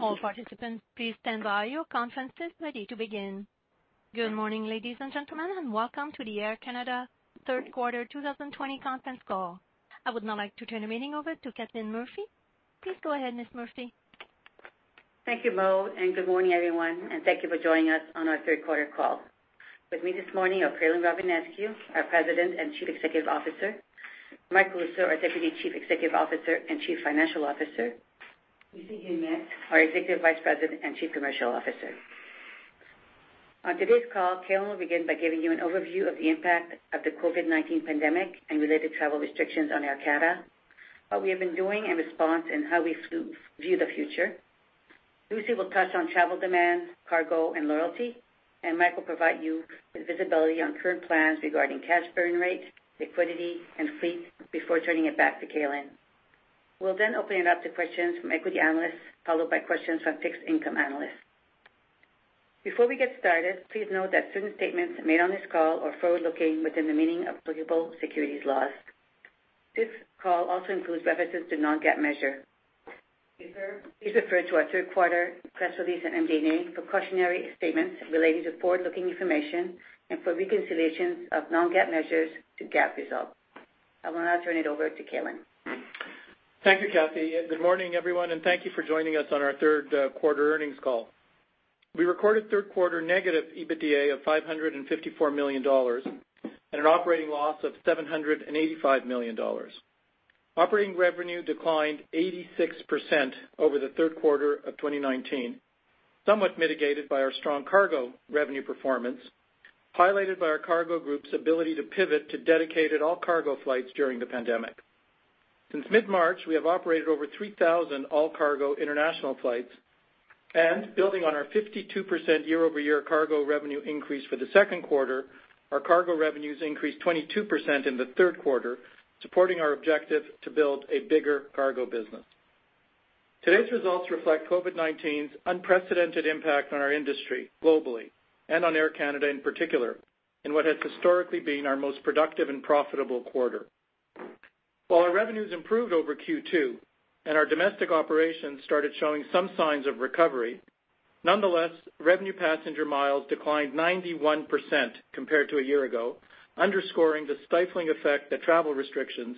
Good morning, ladies and gentlemen. Welcome to the Air Canada Q3 2020 conference call. I would now like to turn the meeting over to Kathleen Murphy. Please go ahead, Ms. Murphy. Thank you, Mo, and good morning, everyone, and thank you for joining us on our Q3 call. With me this morning are Calin Rovinescu, our President and Chief Executive Officer, Michael Rousseau, our Deputy Chief Executive Officer and Chief Financial Officer, Lucie Guillemette, our Executive Vice President and Chief Commercial Officer. On today's call, Calin will begin by giving you an overview of the impact of the COVID-19 pandemic and related travel restrictions on Air Canada, what we have been doing in response, and how we view the future. Lucie will touch on travel demand, cargo, and loyalty, and Mike will provide you with visibility on current plans regarding cash burn rate, liquidity, and fleet before turning it back to Calin. We'll open it up to questions from equity analysts, followed by questions from fixed-income analysts. Before we get started, please note that certain statements made on this call are forward-looking within the meaning of applicable securities laws. This call also includes references to non-GAAP measure. Please refer to our Q3 press release and MD&A for cautionary statements relating to forward-looking information and for reconciliations of non-GAAP measures to GAAP results. I will now turn it over to Calin. Thank you, Kathy. Good morning, everyone, and thank you for joining us on our Q3 earnings call. We recorded Q3 negative EBITDA of 554 million dollars and an operating loss of 785 million dollars. Operating revenue declined 86% over the Q3 of 2019, somewhat mitigated by our strong cargo revenue performance, highlighted by our cargo group's ability to pivot to dedicated all-cargo flights during the pandemic. Since mid-March, we have operated over 3,000 all-cargo international flights, and building on our 52% year-over-year cargo revenue increase for the Q2, our cargo revenues increased 22% in the Q3, supporting our objective to build a bigger cargo business. Today's results reflect COVID-19's unprecedented impact on our industry globally, and on Air Canada in particular, in what has historically been our most productive and profitable quarter. While our revenues improved over Q2 and our domestic operations started showing some signs of recovery, nonetheless, Revenue Passenger Miles declined 91% compared to a year ago, underscoring the stifling effect that travel restrictions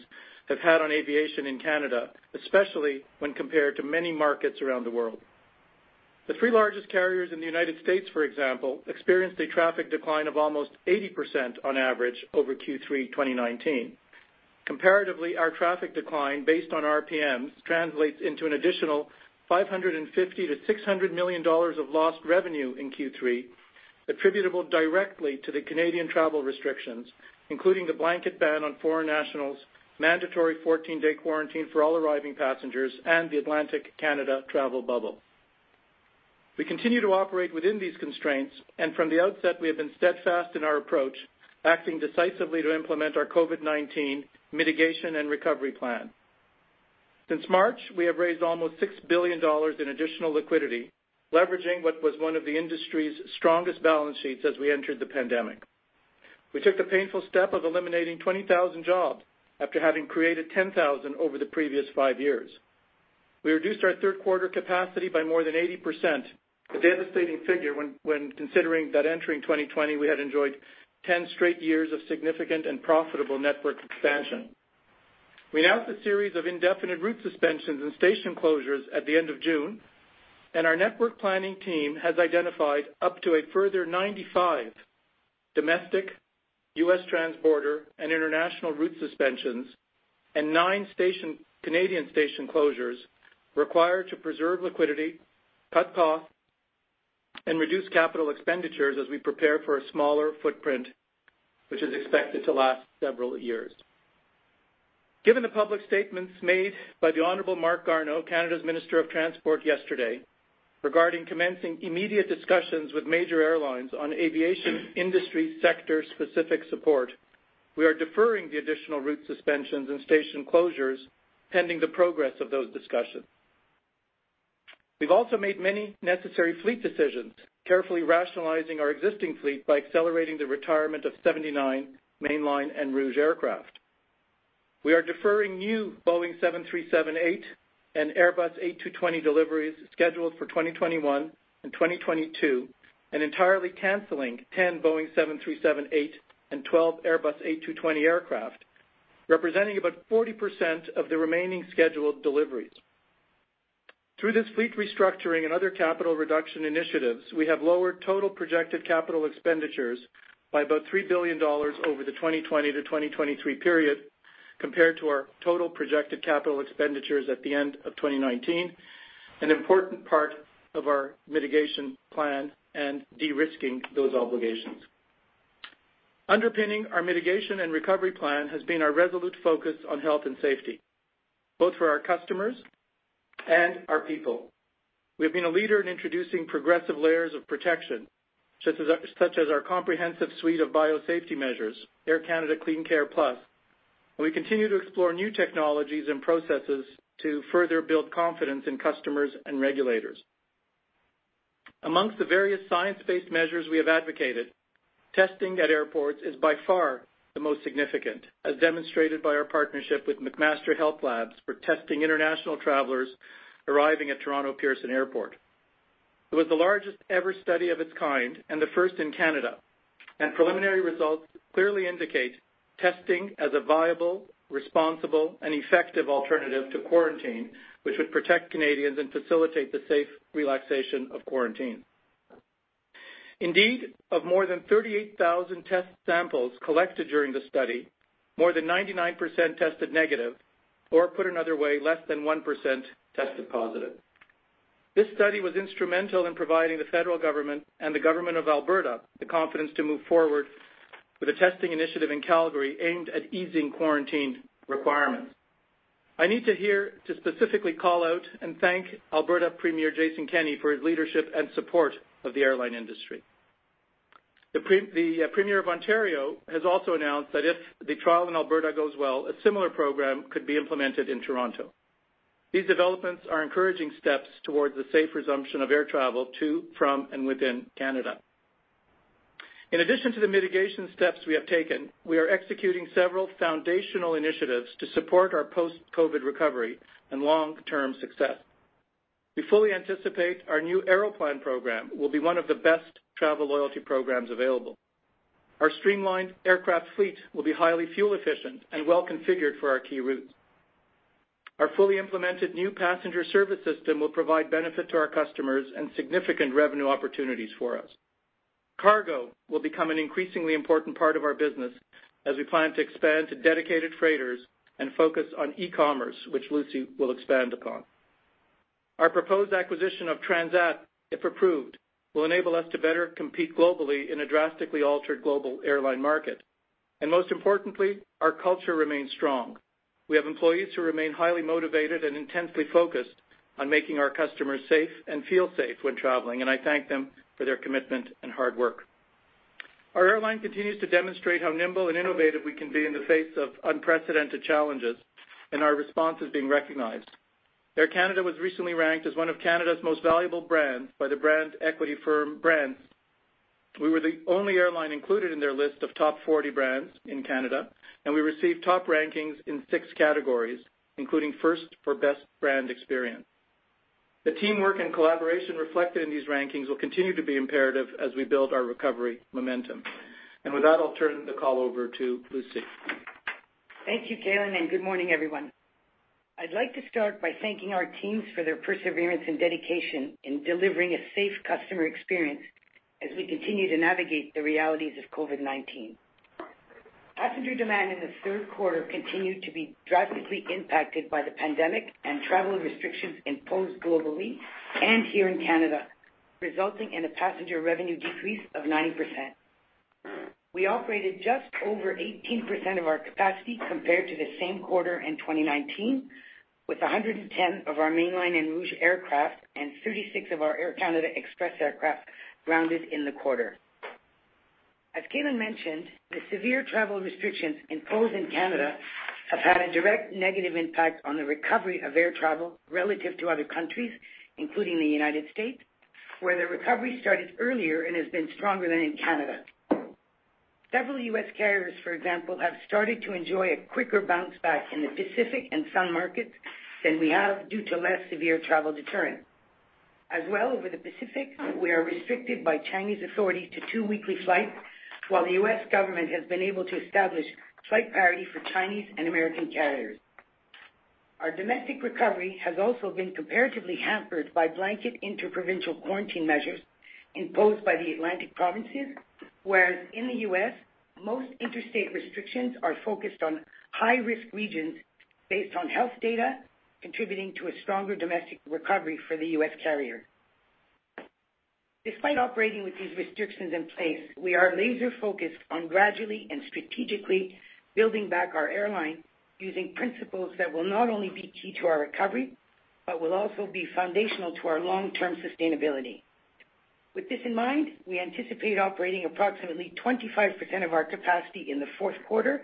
have had on aviation in Canada, especially when compared to many markets around the world. The three largest carriers in the U.S., for example, experienced a traffic decline of almost 80% on average over Q3 2019. Comparatively, our traffic decline, based on RPMs, translates into an additional 550 million-600 million dollars of lost revenue in Q3 attributable directly to the Canadian travel restrictions, including the blanket ban on foreign nationals, mandatory 14-day quarantine for all arriving passengers, and the Atlantic Canada Travel Bubble. We continue to operate within these constraints, from the outset, we have been steadfast in our approach, acting decisively to implement our COVID-19 mitigation and recovery plan. Since March, we have raised almost 6 billion dollars in additional liquidity, leveraging what was one of the industry's strongest balance sheets as we entered the pandemic. We took the painful step of eliminating 20,000 jobs after having created 10,000 over the previous five years. We reduced our Q3 capacity by more than 80%, a devastating figure when considering that entering 2020, we had enjoyed 10 straight years of significant and profitable network expansion. Our network planning team has identified up to a further 95 domestic, U.S. transborder, and international route suspensions and nine Canadian station closures required to preserve liquidity, cut costs, and reduce capital expenditures as we prepare for a smaller footprint, which is expected to last several years. Given the public statements made by the Honorable Marc Garneau, Canada's Minister of Transport, yesterday regarding commencing immediate discussions with major airlines on aviation industry sector-specific support, we are deferring the additional route suspensions and station closures pending the progress of those discussions. We've also made many necessary fleet decisions, carefully rationalizing our existing fleet by accelerating the retirement of 79 mainline and Rouge aircraft. We are deferring new Boeing 737-8 and Airbus A220 deliveries scheduled for 2021 and 2022 and entirely canceling 10 Boeing 737-8 and 12 Airbus A220 aircraft, representing about 40% of the remaining scheduled deliveries. Through this fleet restructuring and other capital reduction initiatives, we have lowered total projected capital expenditures by about 3 billion dollars over the 2020 - 2023 period compared to our total projected capital expenditures at the end of 2019, an important part of our mitigation plan and de-risking those obligations. Underpinning our mitigation and recovery plan has been our resolute focus on health and safety, both for our customers and our people. We have been a leader in introducing progressive layers of protection, such as our comprehensive suite of biosafety measures, Air Canada CleanCare+. We continue to explore new technologies and processes to further build confidence in customers and regulators. Amongst the various science-based measures we have advocated, testing at airports is by far the most significant, as demonstrated by our partnership with McMaster HealthLabs for testing international travelers arriving at Toronto Pearson Airport. It was the largest ever study of its kind and the first in Canada, and preliminary results clearly indicate testing as a viable, responsible and effective alternative to quarantine, which would protect Canadians and facilitate the safe relaxation of quarantine. Indeed, of more than 38,000 test samples collected during the study, more than 99% tested negative, or put another way, less than one percent tested positive. This study was instrumental in providing the federal government and the Government of Alberta the confidence to move forward with a testing initiative in Calgary aimed at easing quarantine requirements. I need to specifically call out and thank Alberta Premier Jason Kenney for his leadership and support of the airline industry. The Premier of Ontario has also announced that if the trial in Alberta goes well, a similar program could be implemented in Toronto. These developments are encouraging steps towards the safe resumption of air travel to, from, and within Canada. In addition to the mitigation steps we have taken, we are executing several foundational initiatives to support our post-COVID recovery and long-term success. We fully anticipate our new Aeroplan program will be one of the best travel loyalty programs available. Our streamlined aircraft fleet will be highly fuel efficient and well-configured for our key routes. Our fully implemented new passenger service system will provide benefit to our customers and significant revenue opportunities for us. Cargo will become an increasingly important part of our business as we plan to expand to dedicated freighters and focus on e-commerce, which Lucie will expand upon. Our proposed acquisition of Transat, if approved, will enable us to better compete globally in a drastically altered global airline market. Most importantly, our culture remains strong. We have employees who remain highly motivated and intensely focused on making our customers safe and feel safe when traveling, and I thank them for their commitment and hard work. Our airline continues to demonstrate how nimble and innovative we can be in the face of unprecedented challenges, and our response is being recognized. Air Canada was recently ranked as one of Canada's most valuable brands by the brand equity firm, Brand Finance. We were the only airline included in their list of top 40 brands in Canada, and we received top rankings in six categories, including first for best brand experience. The teamwork and collaboration reflected in these rankings will continue to be imperative as we build our recovery momentum. With that, I'll turn the call over to Lucie. Thank you, Calin, and good morning, everyone. I'd like to start by thanking our teams for their perseverance and dedication in delivering a safe customer experience as we continue to navigate the realities of COVID-19. Passenger demand in the Q3 continued to be drastically impacted by the pandemic and travel restrictions imposed globally and here in Canada, resulting in a passenger revenue decrease of 90%. We operated just over 18% of our capacity compared to the same quarter in 2019, with 110 of our mainline and Rouge aircraft and 36 of our Air Canada Express aircraft grounded in the quarter. As Calin mentioned, the severe travel restrictions imposed in Canada have had a direct negative impact on the recovery of air travel relative to other countries, including the United States, where the recovery started earlier and has been stronger than in Canada. Several U.S. carriers, for example, have started to enjoy a quicker bounce back in the Pacific and sun markets than we have due to less severe travel deterrent. As well, over the Pacific, we are restricted by Chinese authorities to two weekly flights, while the U.S. government has been able to establish flight parity for Chinese and American carriers. Our domestic recovery has also been comparatively hampered by blanket inter-provincial quarantine measures imposed by the Atlantic provinces, whereas in the U.S., most interstate restrictions are focused on high-risk regions based on health data, contributing to a stronger domestic recovery for the U.S. carrier. Despite operating with these restrictions in place, we are laser focused on gradually and strategically building back our airline using principles that will not only be key to our recovery, but will also be foundational to our long-term sustainability. With this in mind, we anticipate operating approximately 25% of our capacity in the Q4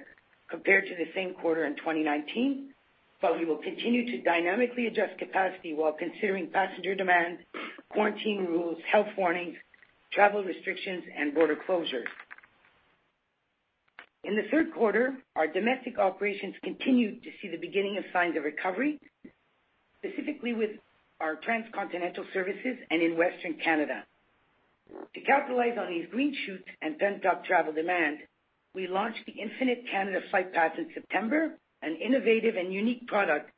compared to the same quarter in 2019. We will continue to dynamically adjust capacity while considering passenger demand, quarantine rules, health warnings, travel restrictions, and border closures. In the Q3, our domestic operations continued to see the beginning of signs of recovery, specifically with our transcontinental services and in Western Canada. To capitalize on these green shoots and pent-up travel demand, we launched the Infinite Canada Flight Pass in September, an innovative and unique product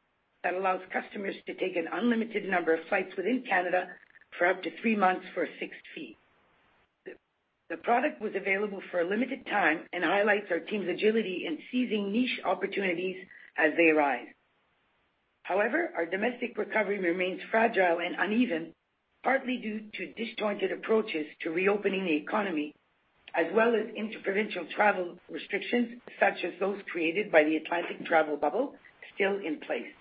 that allows customers to take an unlimited number of flights within Canada for up to three months for a fixed fee. The product was available for a limited time and highlights our team's agility in seizing niche opportunities as they arise. However, our domestic recovery remains fragile and uneven, partly due to disjointed approaches to reopening the economy, as well as inter-provincial travel restrictions, such as those created by the Atlantic Travel Bubble, still in place.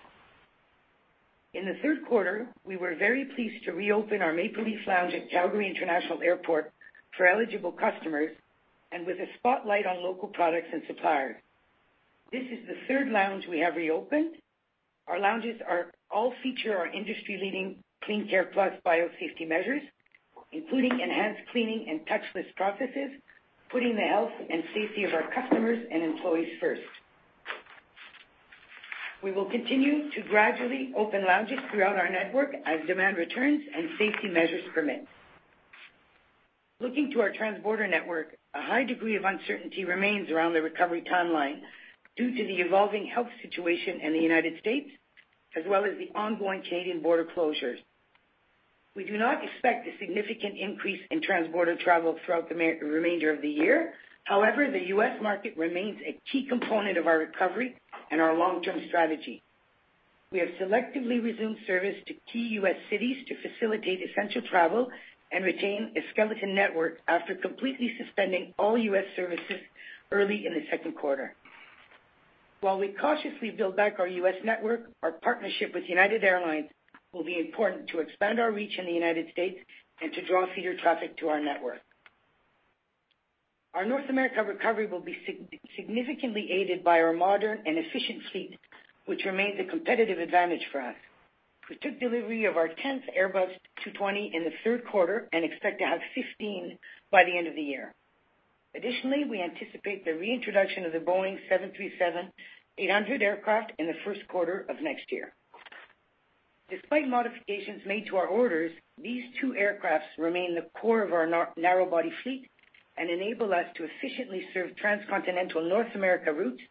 In the Q3, we were very pleased to reopen our Maple Leaf Lounge at Calgary International Airport for eligible customers and with a spotlight on local products and suppliers. This is the third lounge we have reopened. Our lounges all feature our industry-leading CleanCare+ biosafety measures, including enhanced cleaning and touchless processes, putting the health and safety of our customers and employees first. We will continue to gradually open lounges throughout our network as demand returns and safety measures permit. Looking to our transborder network, a high degree of uncertainty remains around the recovery timeline due to the evolving health situation in the United States, as well as the ongoing Canadian border closures. We do not expect a significant increase in transborder travel throughout the remainder of the year. However, the U.S. market remains a key component of our recovery and our long-term strategy. We have selectively resumed service to key U.S. cities to facilitate essential travel and retain a skeleton network after completely suspending all U.S. services early in the Q2. While we cautiously build back our U.S. network, our partnership with United Airlines will be important to expand our reach in the United States and to draw feeder traffic to our network. Our North America recovery will be significantly aided by our modern and efficient fleet, which remains a competitive advantage for us. We took delivery of our 10th Airbus A220 in the Q3 and expect to have 15 by the end of the year. Additionally, we anticipate the reintroduction of the Boeing 737-800 aircraft in the Q1 of next year. Despite modifications made to our orders, these two aircrafts remain the core of our narrow-body fleet and enable us to efficiently serve transcontinental North America routes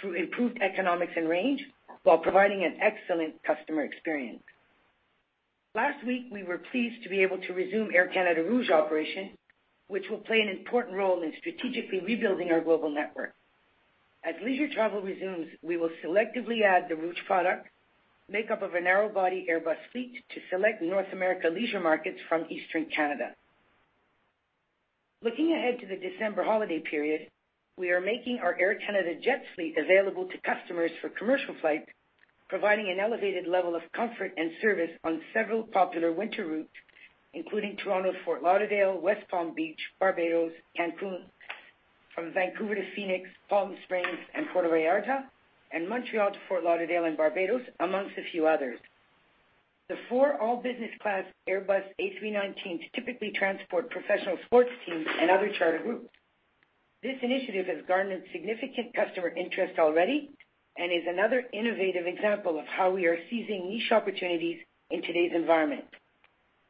through improved economics and range while providing an excellent customer experience. Last week, we were pleased to be able to resume Air Canada Rouge operation, which will play an important role in strategically rebuilding our global network. As leisure travel resumes, we will selectively add the Rouge product, make up of a narrow-body Airbus fleet to select North America leisure markets from Eastern Canada. Looking ahead to the December holiday period, we are making our Air Canada jet fleet available to customers for commercial flights, providing an elevated level of comfort and service on several popular winter routes, including Toronto to Fort Lauderdale, West Palm Beach, Barbados, Cancun, from Vancouver to Phoenix, Palm Springs, and Puerto Vallarta, and Montreal to Fort Lauderdale and Barbados, amongst a few others. The four all-business class Airbus A319s typically transport professional sports teams and other charter groups. This initiative has garnered significant customer interest already and is another innovative example of how we are seizing niche opportunities in today's environment.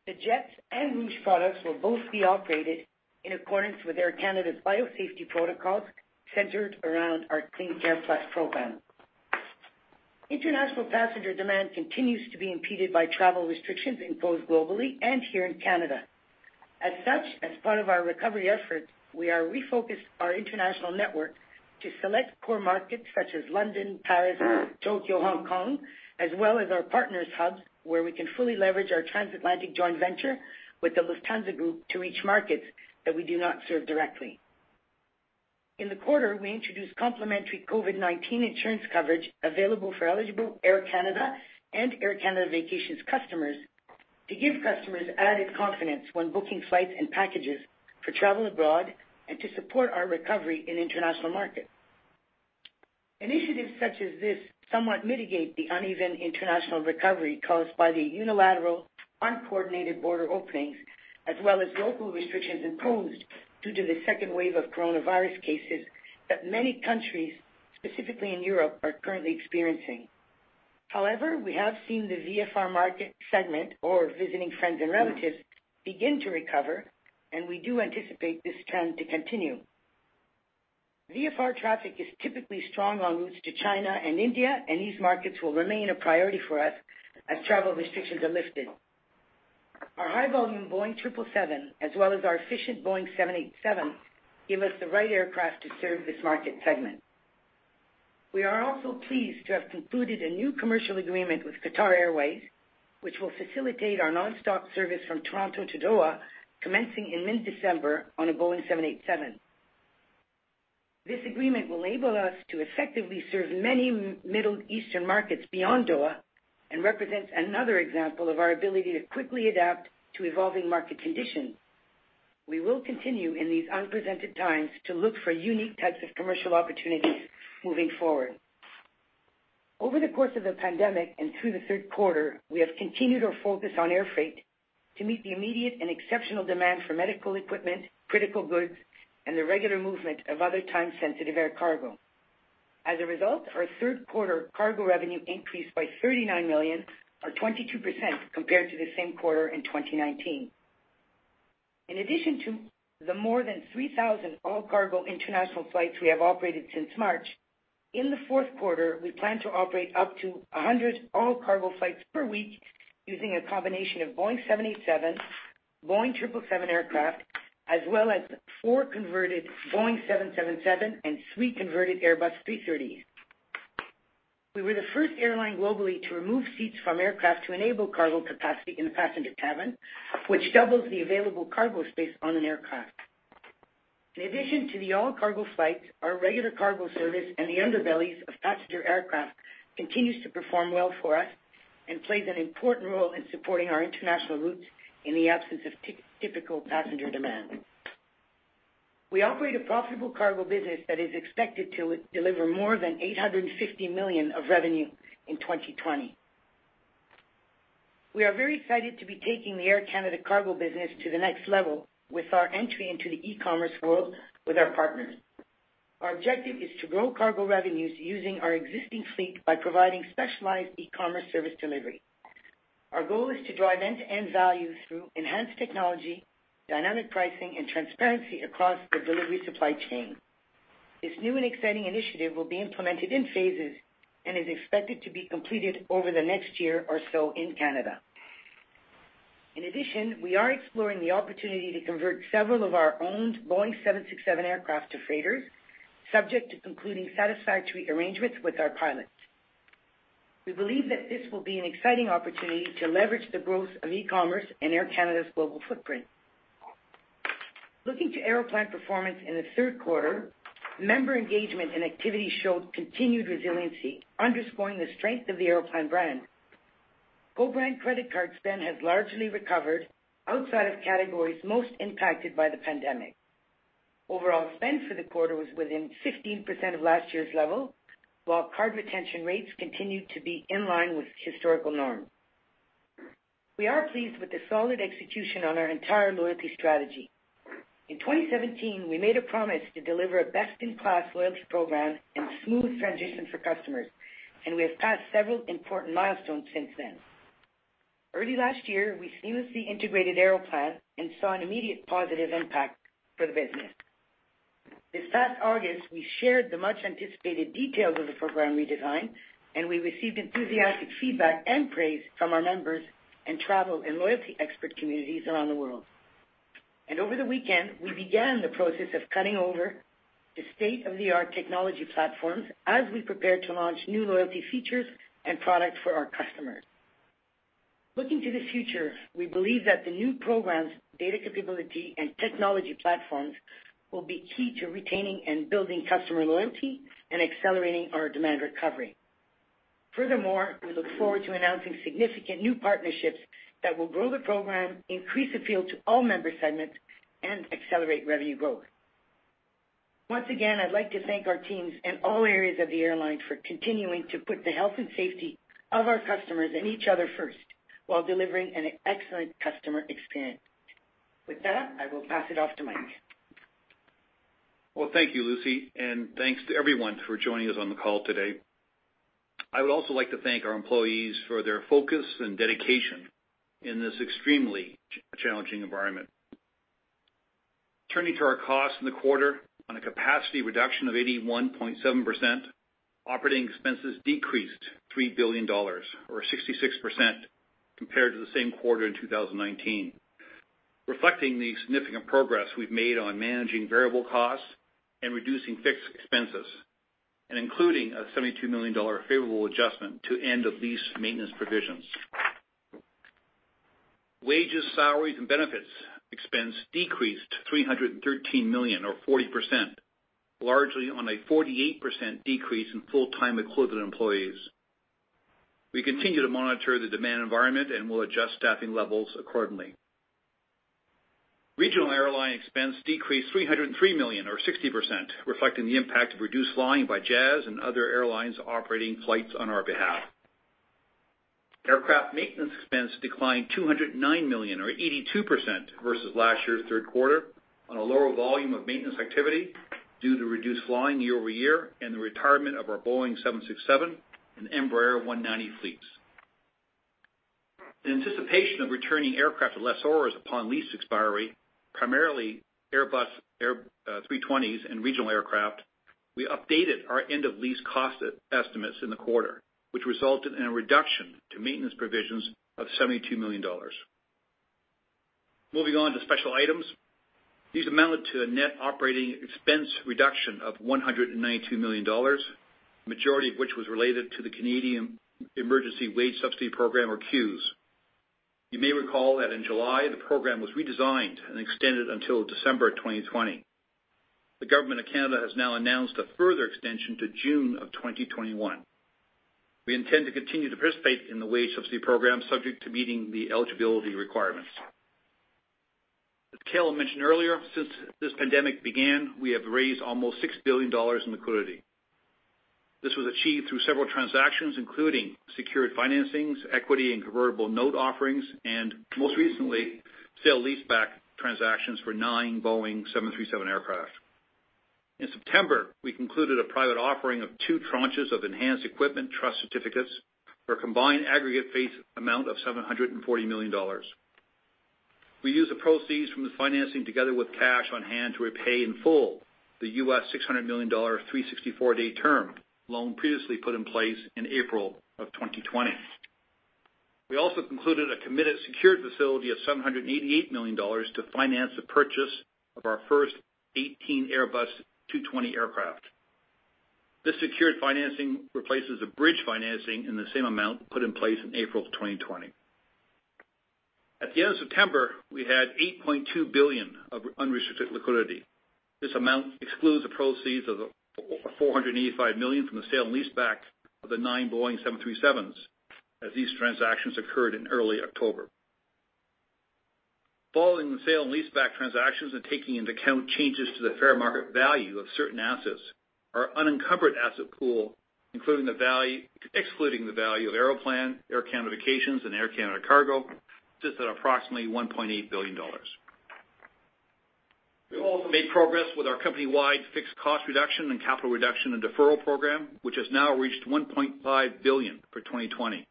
The jets and Rouge products will both be operated in accordance with Air Canada's biosafety protocols centered around our CleanCare+ program. International passenger demand continues to be impeded by travel restrictions imposed globally and here in Canada. As such, as part of our recovery effort, we have refocused our international network to select core markets such as London, Paris, Tokyo, Hong Kong, as well as our partners' hubs, where we can fully leverage our transatlantic joint venture with the Lufthansa Group to reach markets that we do not serve directly. In the quarter, we introduced complimentary COVID-19 insurance coverage available for eligible Air Canada and Air Canada Vacations customers to give customers added confidence when booking flights and packages for travel abroad and to support our recovery in international markets. Initiatives such as this somewhat mitigate the uneven international recovery caused by the unilateral, uncoordinated border openings as well as local restrictions imposed due to the second wave of coronavirus cases that many countries, specifically in Europe, are currently experiencing. However, we have seen the VFR market segment, or visiting friends and relatives, begin to recover, and we do anticipate this trend to continue. VFR traffic is typically strong on routes to China and India, and these markets will remain a priority for us as travel restrictions are lifted. Our high-volume Boeing 777, as well as our efficient Boeing 787, give us the right aircraft to serve this market segment. We are also pleased to have concluded a new commercial agreement with Qatar Airways, which will facilitate our non-stop service from Toronto to Doha, commencing in mid-December on a Boeing 787. This agreement will enable us to effectively serve many Middle Eastern markets beyond Doha and represents another example of our ability to quickly adapt to evolving market conditions. We will continue in these unprecedented times to look for unique types of commercial opportunities moving forward. Over the course of the pandemic and through the Q3, we have continued our focus on air freight to meet the immediate and exceptional demand for medical equipment, critical goods, and the regular movement of other time-sensitive air cargo. As a result, our Q3 cargo revenue increased by 39 million or 22% compared to the same quarter in 2019. In addition to the more than 3,000 all-cargo international flights we have operated since March, in the Q4, we plan to operate up to 100 all-cargo flights per week using a combination of Boeing 787, Boeing 777 aircraft, as well as four converted Boeing 777 and three converted Airbus A330s. We were the first airline globally to remove seats from aircraft to enable cargo capacity in the passenger cabin, which doubles the available cargo space on an aircraft. In addition to the all-cargo flights, our regular cargo service in the underbellies of passenger aircraft continues to perform well for us. Plays an important role in supporting our international routes in the absence of typical passenger demand. We operate a profitable cargo business that is expected to deliver more than 850 million of revenue in 2020. We are very excited to be taking the Air Canada Cargo business to the next level with our entry into the e-commerce world with our partners. Our objective is to grow cargo revenues using our existing fleet by providing specialized e-commerce service delivery. Our goal is to drive end-to-end value through enhanced technology, dynamic pricing, and transparency across the delivery supply chain. This new and exciting initiative will be implemented in phases and is expected to be completed over the next year or so in Canada. In addition, we are exploring the opportunity to convert several of our owned Boeing 767 aircraft to freighters, subject to concluding satisfactory arrangements with our pilots. We believe that this will be an exciting opportunity to leverage the growth of e-commerce and Air Canada's global footprint. Looking to Aeroplan performance in the third quarter, member engagement and activity showed continued resiliency, underscoring the strength of the Aeroplan brand. Co-brand credit card spend has largely recovered outside of categories most impacted by the pandemic. Overall spend for the quarter was within 15% of last year's level, while card retention rates continued to be in line with historical norms. We are pleased with the solid execution on our entire loyalty strategy. In 2017, we made a promise to deliver a best-in-class loyalty program and smooth transition for customers, and we have passed several important milestones since then. Early last year, we seamlessly integrated Aeroplan and saw an immediate positive impact for the business. This past August, we shared the much-anticipated details of the program redesign. We received enthusiastic feedback and praise from our members and travel and loyalty expert communities around the world. Over the weekend, we began the process of cutting over the state-of-the-art technology platforms as we prepare to launch new loyalty features and products for our customers. Looking to the future, we believe that the new program's data capability and technology platforms will be key to retaining and building customer loyalty and accelerating our demand recovery. Furthermore, we look forward to announcing significant new partnerships that will grow the program, increase appeal to all member segments, and accelerate revenue growth. Once again, I'd like to thank our teams in all areas of the airline for continuing to put the health and safety of our customers and each other first while delivering an excellent customer experience. With that, I will pass it off to Mike Rousseau. Well, thank you, Lucie. Thanks to everyone for joining us on the call today. I would also like to thank our employees for their focus and dedication in this extremely challenging environment. Turning to our costs in the quarter, on a capacity reduction of 81.7%, operating expenses decreased 3 billion dollars, or 66%, compared to the same quarter in 2019, reflecting the significant progress we've made on managing variable costs and reducing fixed expenses, and including a 72 million dollar favorable adjustment to end-of-lease maintenance provisions. Wages, salaries, and benefits expense decreased 313 million or 40%, largely on a 48% decrease in full-time equivalent employees. We continue to monitor the demand environment and will adjust staffing levels accordingly. Regional airline expense decreased 303 million, or 60%, reflecting the impact of reduced flying by Jazz and other airlines operating flights on our behalf. Aircraft maintenance expense declined 209 million, or 82%, versus last year's Q3 on a lower volume of maintenance activity due to reduced flying year over year and the retirement of our Boeing 767 and Embraer 190 fleets. In anticipation of returning aircraft to lessors upon lease expiry, primarily Airbus A320s and regional aircraft, we updated our end-of-lease cost estimates in the quarter, which resulted in a reduction to maintenance provisions of CAD 72 million. Moving on to special items. These amounted to a net operating expense reduction of 192 million dollars, the majority of which was related to the Canada Emergency Wage Subsidy program, or CEWS. You may recall that in July, the program was redesigned and extended until December 2020. The Government of Canada has now announced a further extension to June of 2021. We intend to continue to participate in the wage subsidy program subject to meeting the eligibility requirements. As Cal mentioned earlier, since this pandemic began, we have raised almost 6 billion dollars in liquidity. This was achieved through several transactions, including secured financings, equity and convertible note offerings, and most recently, sale-leaseback transactions for nine Boeing 737 aircraft. In September, we concluded a private offering of two tranches of enhanced equipment trust certificates for a combined aggregate face amount of 740 million dollars. We used the proceeds from the financing together with cash on hand to repay in full the $600 million 364-day term loan previously put in place in April of 2020. We also concluded a committed secured facility of 788 million dollars to finance the purchase of our first 18 Airbus A220 aircraft. This secured financing replaces a bridge financing in the same amount put in place in April of 2020. At the end of September, we had 8.2 billion of unrestricted liquidity. This amount excludes the proceeds of the 485 million from the sale and lease back of the nine Boeing 737s, as these transactions occurred in early October. Following the sale and lease back transactions and taking into account changes to the fair market value of certain assets, our unencumbered asset pool, excluding the value of Aeroplan, Air Canada Vacations, and Air Canada Cargo, sits at approximately 1.8 billion dollars. We also made progress with our company-wide fixed cost reduction and capital reduction and deferral program, which has now reached 1.5 billion for 2020.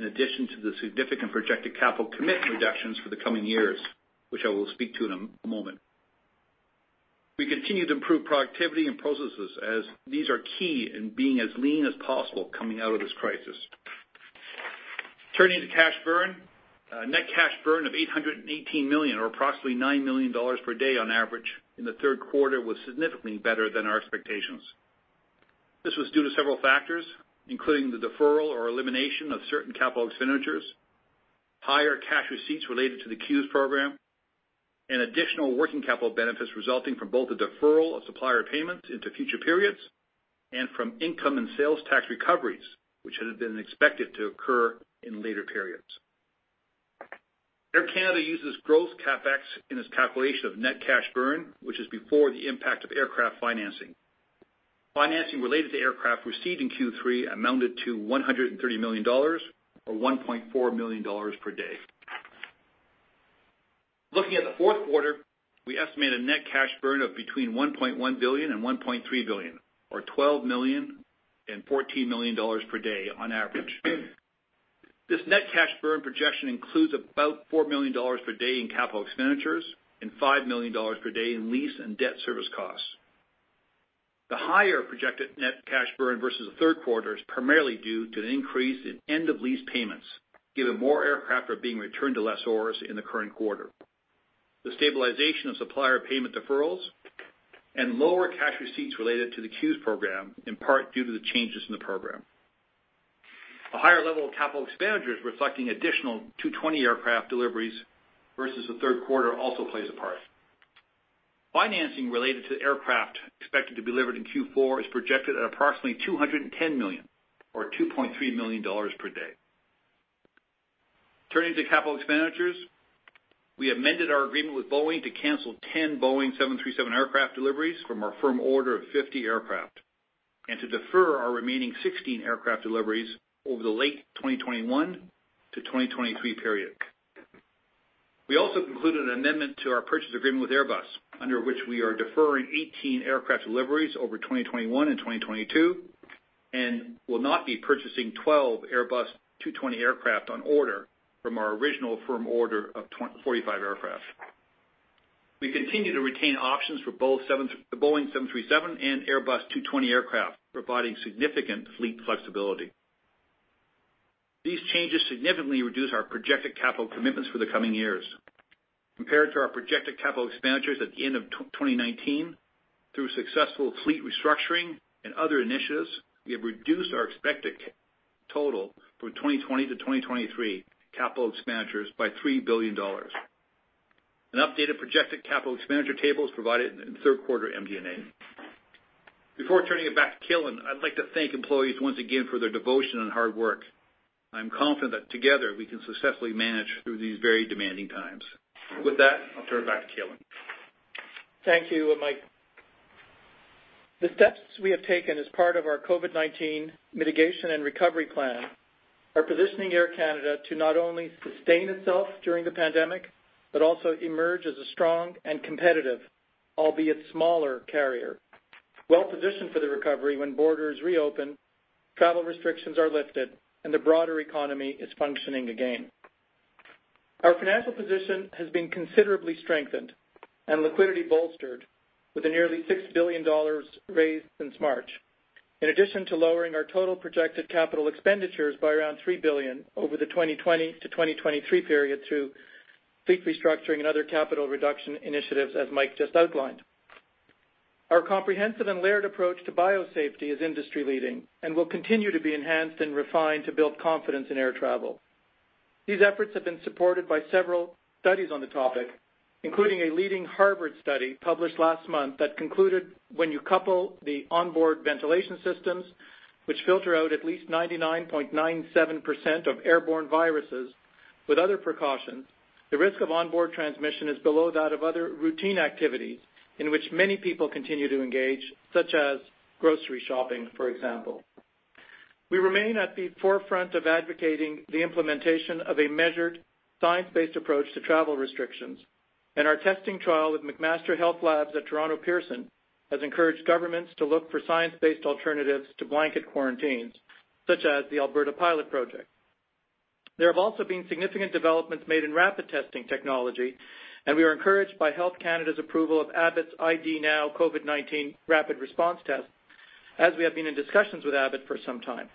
In addition to the significant projected capital commitment reductions for the coming years, which I will speak to in a moment. We continue to improve productivity and processes as these are key in being as lean as possible coming out of this crisis. Turning to cash burn. Net cash burn of 818 million, or approximately 9 million dollars per day on average in the Q3 was significantly better than our expectations. This was due to several factors, including the deferral or elimination of certain capital expenditures, higher cash receipts related to the CEWS program, and additional working capital benefits resulting from both the deferral of supplier payments into future periods and from income and sales tax recoveries, which had been expected to occur in later periods. Air Canada uses gross CapEx in its calculation of net cash burn, which is before the impact of aircraft financing. Financing related to aircraft received in Q3 amounted to 130 million dollars or 1.4 million dollars per day. Looking at the Q4, we estimate a net cash burn of between 1.1 billion and 1.3 billion, or 12 million and 14 million dollars per day on average. This net cash burn projection includes about 4 million dollars per day in capital expenditures and 5 million dollars per day in lease and debt service costs. The higher projected net cash burn versus the third quarter is primarily due to an increase in end-of-lease payments, given more aircraft are being returned to lessors in the current quarter. The stabilization of supplier payment deferrals and lower cash receipts related to the CEWS program, in part due to the changes in the program. A higher level of capital expenditures reflecting additional A220 aircraft deliveries versus the Q3 also plays a part. Financing related to the aircraft expected to be delivered in Q4 is projected at approximately 210 million or 2.3 million dollars per day. Turning to capital expenditures, we amended our agreement with Boeing to cancel 10 Boeing 737 aircraft deliveries from our firm order of 50 aircraft, and to defer our remaining 16 aircraft deliveries over the late 2021 - 2023 period. We also concluded an amendment to our purchase agreement with Airbus, under which we are deferring 18 aircraft deliveries over 2021 and 2022, and will not be purchasing 12 Airbus A220 aircraft on order from our original firm order of 45 aircraft. We continue to retain options for both the Boeing 737 and Airbus A220 aircraft, providing significant fleet flexibility. These changes significantly reduce our projected capital commitments for the coming years. Compared to our projected capital expenditures at the end of 2019, through successful fleet restructuring and other initiatives, we have reduced our expected total from 2020 - 2023 capital expenditures by 3 billion dollars. An updated projected capital expenditure table is provided in the third quarter MD&A. Before turning it back to Calin, I'd like to thank employees once again for their devotion and hard work. I'm confident that together we can successfully manage through these very demanding times. With that, I'll turn it back to Calin. Thank you, Mike. The steps we have taken as part of our COVID-19 mitigation and recovery plan are positioning Air Canada to not only sustain itself during the pandemic, but also emerge as a strong and competitive, albeit smaller carrier, well-positioned for the recovery when borders reopen, travel restrictions are lifted, and the broader economy is functioning again. Our financial position has been considerably strengthened and liquidity bolstered with the nearly 6 billion dollars raised since March. In addition to lowering our total projected capital expenditures by around 3 billion over the 2020 - 2023 period through fleet restructuring and other capital reduction initiatives, as Mike just outlined. Our comprehensive and layered approach to biosafety is industry leading and will continue to be enhanced and refined to build confidence in air travel. These efforts have been supported by several studies on the topic, including a leading Harvard study published last month that concluded when you couple the onboard ventilation systems, which filter out at least 99.97% of airborne viruses with other precautions, the risk of onboard transmission is below that of other routine activities in which many people continue to engage, such as grocery shopping, for example. We remain at the forefront of advocating the implementation of a measured science-based approach to travel restrictions, our testing trial with McMaster HealthLabs at Toronto Pearson has encouraged governments to look for science-based alternatives to blanket quarantines, such as the Alberta Pilot Project. There have also been significant developments made in rapid testing technology, we are encouraged by Health Canada's approval of Abbott's ID NOW COVID-19 rapid response test, as we have been in discussions with Abbott for some time.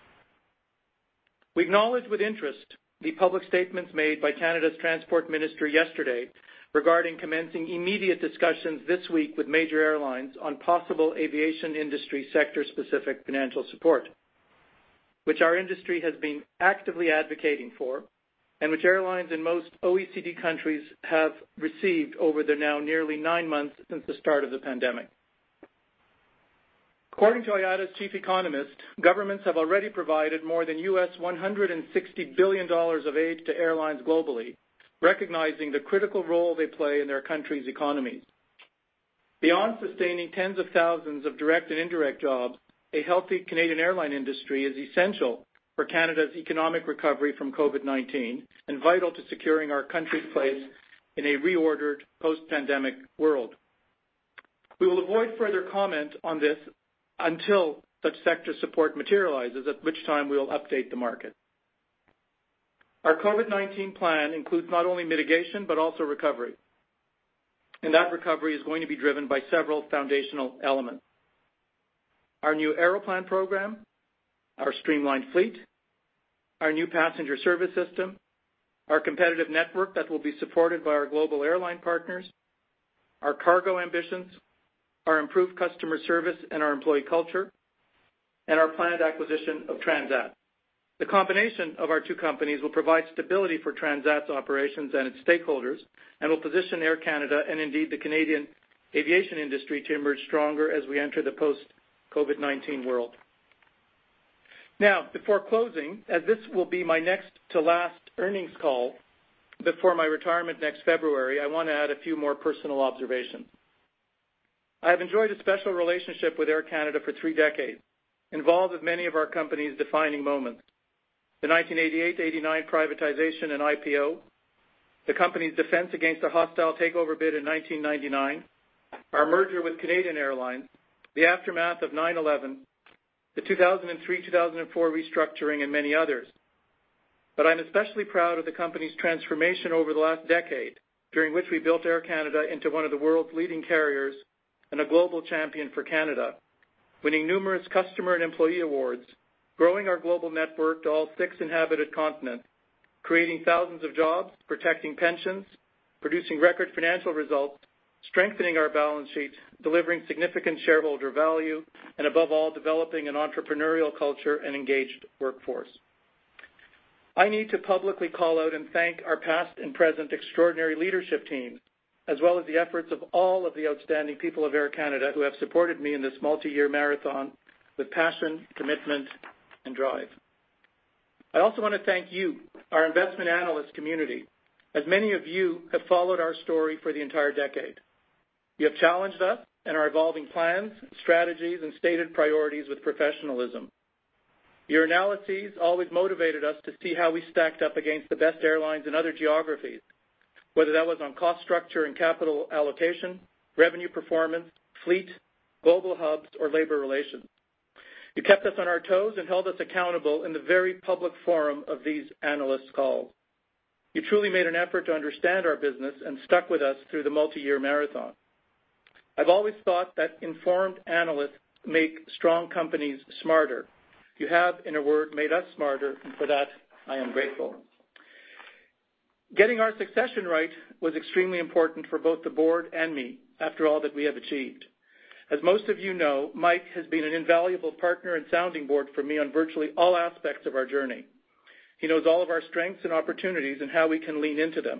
We acknowledge with interest the public statements made by Canada's Transport Minister yesterday regarding commencing immediate discussions this week with major airlines on possible aviation industry sector specific financial support, which our industry has been actively advocating for, and which airlines in most OECD countries have received over their now nearly nine months since the start of the pandemic. According to IATA's chief economist, governments have already provided more than U.S $160 billion of aid to airlines globally, recognizing the critical role they play in their country's economies. Beyond sustaining tens of thousands of direct and indirect jobs, a healthy Canadian airline industry is essential for Canada's economic recovery from COVID-19 and vital to securing our country's place in a reordered post-pandemic world. We will avoid further comment on this until such sector support materializes, at which time we'll update the market. Our COVID-19 plan includes not only mitigation, but also recovery. That recovery is going to be driven by several foundational elements. Our new Aeroplan program, our streamlined fleet, our new passenger service system, our competitive network that will be supported by our global airline partners, our cargo ambitions, our improved customer service and our employee culture, and our planned acquisition of Transat. The combination of our two companies will provide stability for Transat's operations and its stakeholders and will position Air Canada and indeed the Canadian aviation industry to emerge stronger as we enter the post-COVID-19 world. Before closing, as this will be my next to last earnings call before my retirement next February, I want to add a few more personal observations. I have enjoyed a special relationship with Air Canada for three decades, involved with many of our company's defining moments. The 1988 to 1989 privatization and IPO, the company's defense against a hostile takeover bid in 1999, our merger with Canadian Airlines, the aftermath of 9/11, the 2003, 2004 restructuring, and many others. I'm especially proud of the company's transformation over the last decade, during which we built Air Canada into one of the world's leading carriers and a global champion for Canada, winning numerous customer and employee awards, growing our global network to all six inhabited continents, creating thousands of jobs, protecting pensions, producing record financial results, strengthening our balance sheets, delivering significant shareholder value, and above all, developing an entrepreneurial culture and engaged workforce. I need to publicly call out and thank our past and present extraordinary leadership team, as well as the efforts of all of the outstanding people of Air Canada who have supported me in this multi-year marathon with passion, commitment, and drive. I also want to thank you, our investment analyst community, as many of you have followed our story for the entire decade. You have challenged us and our evolving plans, strategies, and stated priorities with professionalism. Your analyses always motivated us to see how we stacked up against the best airlines in other geographies, whether that was on cost structure and capital allocation, revenue performance, fleet, global hubs, or labor relations. You kept us on our toes and held us accountable in the very public forum of these analyst calls. You truly made an effort to understand our business and stuck with us through the multi-year marathon. I've always thought that informed analysts make strong companies smarter. You have, in a word, made us smarter, and for that, I am grateful. Getting our succession right was extremely important for both the board and me after all that we have achieved. As most of you know, Mike has been an invaluable partner and sounding board for me on virtually all aspects of our journey. He knows all of our strengths and opportunities and how we can lean into them.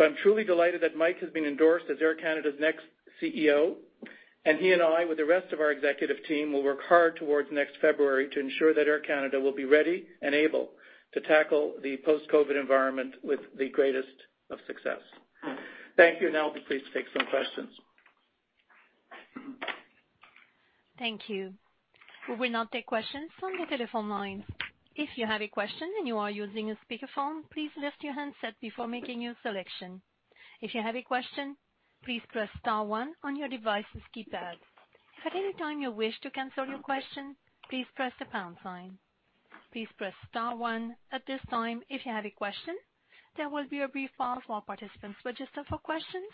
I'm truly delighted that Mike has been endorsed as Air Canada's next CEO, and he and I, with the rest of our executive team, will work hard towards next February to ensure that Air Canada will be ready and able to tackle the post-COVID-19 environment with the greatest of success. Thank you, and I'll be pleased to take some questions. Thank you. We will now take questions from the telephone lines. If you have a question and you are using a speakerphone, please lift your handset before making your selection. If you have a question, please press star one on your device's keypad. If at any time you wish to cancel your question, please press the pound sign. Please press star one at this time if you have a question. There will be a brief pause while participants register for questions.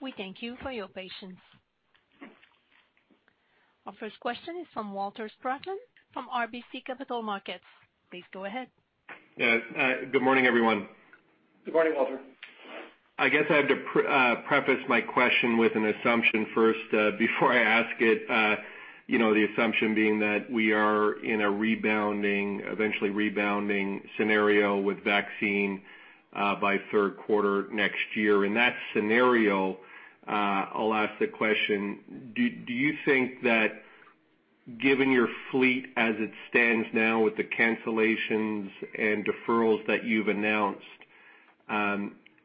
We thank you for your patience. Our first question is from Walter SpracklIn from RBC Capital Markets. Please go ahead. Good morning, everyone. Good morning, Walter. I guess I have to preface my question with an assumption first before I ask it. The assumption being that we are in a eventually rebounding scenario with vaccine by Q3 next year. In that scenario, I'll ask the question, do you think that given your fleet as it stands now with the cancellations and deferrals that you've announced,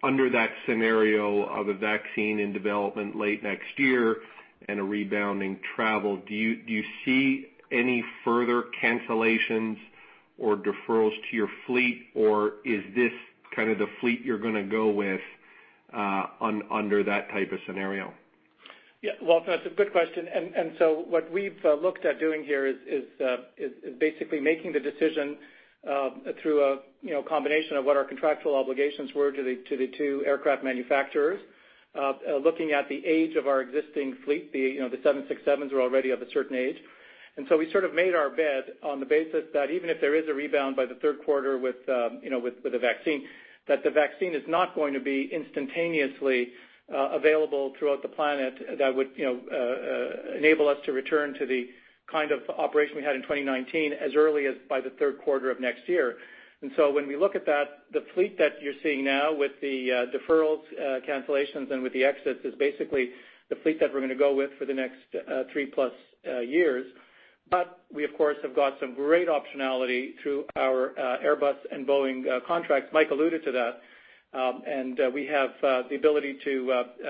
under that scenario of a vaccine in development late next year and a rebounding travel, do you see any further cancellations or deferrals to your fleet? Is this kind of the fleet you're going to go with under that type of scenario? Yeah, Walter, that's a good question. What we've looked at doing here is basically making the decision through a combination of what our contractual obligations were to the two aircraft manufacturers, looking at the age of our existing fleet, the 767s are already of a certain age. So we sort of made our bet on the basis that even if there is a rebound by the Q3 with the vaccine, that the vaccine is not going to be instantaneously available throughout the planet that would enable us to return to the kind of operation we had in 2019 as early as by the Q3 of next year. When we look at that, the fleet that you're seeing now with the deferrals, cancellations, and with the exits is basically the fleet that we're going to go with for the next three-plus years. We, of course, have got some great optionality through our Airbus and Boeing contracts. Mike alluded to that.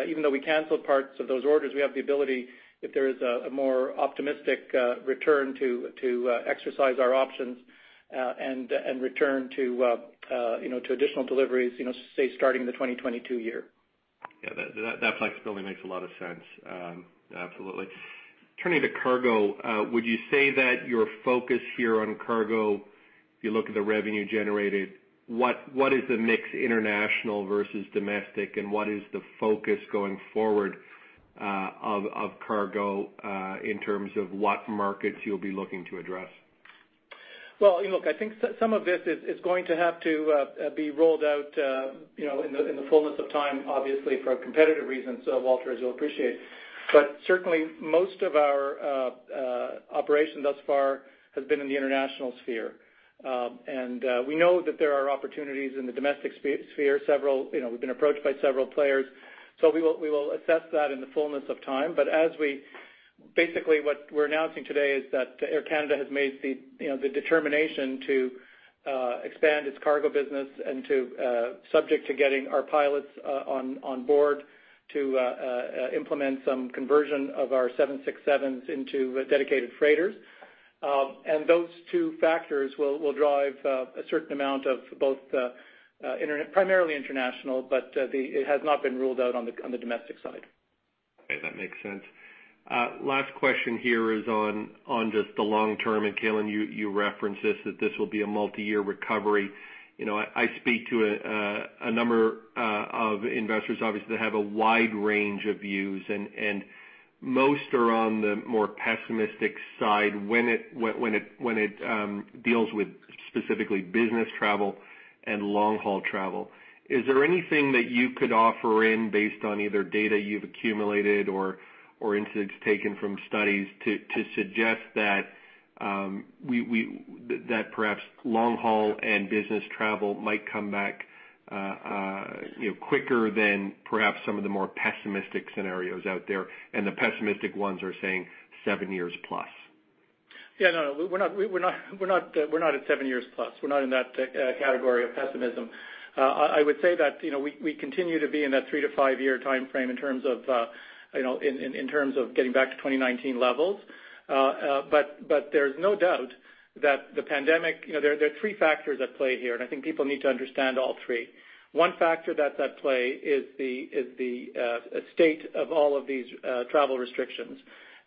Even though we canceled parts of those orders, we have the ability, if there is a more optimistic return, to exercise our options and return to additional deliveries, say, starting the 2022 year. Yeah, that flexibility makes a lot of sense. Absolutely. Turning to cargo, would you say that your focus here on cargo, if you look at the revenue generated, what is the mix international versus domestic, and what is the focus going forward of cargo in terms of what markets you'll be looking to address? Well, look, I think some of this is going to have to be rolled out in the fullness of time, obviously, for competitive reasons, Walter, as you'll appreciate. Certainly, most of our operation thus far has been in the international sphere. We know that there are opportunities in the domestic sphere. We've been approached by several players, we will assess that in the fullness of time. Basically what we're announcing today is that Air Canada has made the determination to expand its cargo business and to, subject to getting our pilots on board, to implement some conversion of our 767s into dedicated freighters. Those two factors will drive a certain amount of both primarily international, but it has not been ruled out on the domestic side. Okay, that makes sense. Last question here is on just the long term, and Calin, you referenced this, that this will be a multi-year recovery. I speak to a number of investors, obviously, that have a wide range of views, and most are on the more pessimistic side when it deals with specifically business travel and long-haul travel. Is there anything that you could offer in based on either data you've accumulated or incidents taken from studies to suggest that perhaps long-haul and business travel might come back quicker than perhaps some of the more pessimistic scenarios out there? The pessimistic ones are saying seven+ years. Yeah, no, we're not at seven+ years. We're not in that category of pessimism. I would say that we continue to be in that three-five-year timeframe in terms of getting back to 2019 levels. There's no doubt that the pandemic, there are three factors at play here, and I think people need to understand all three. One factor that's at play is the state of all of these travel restrictions,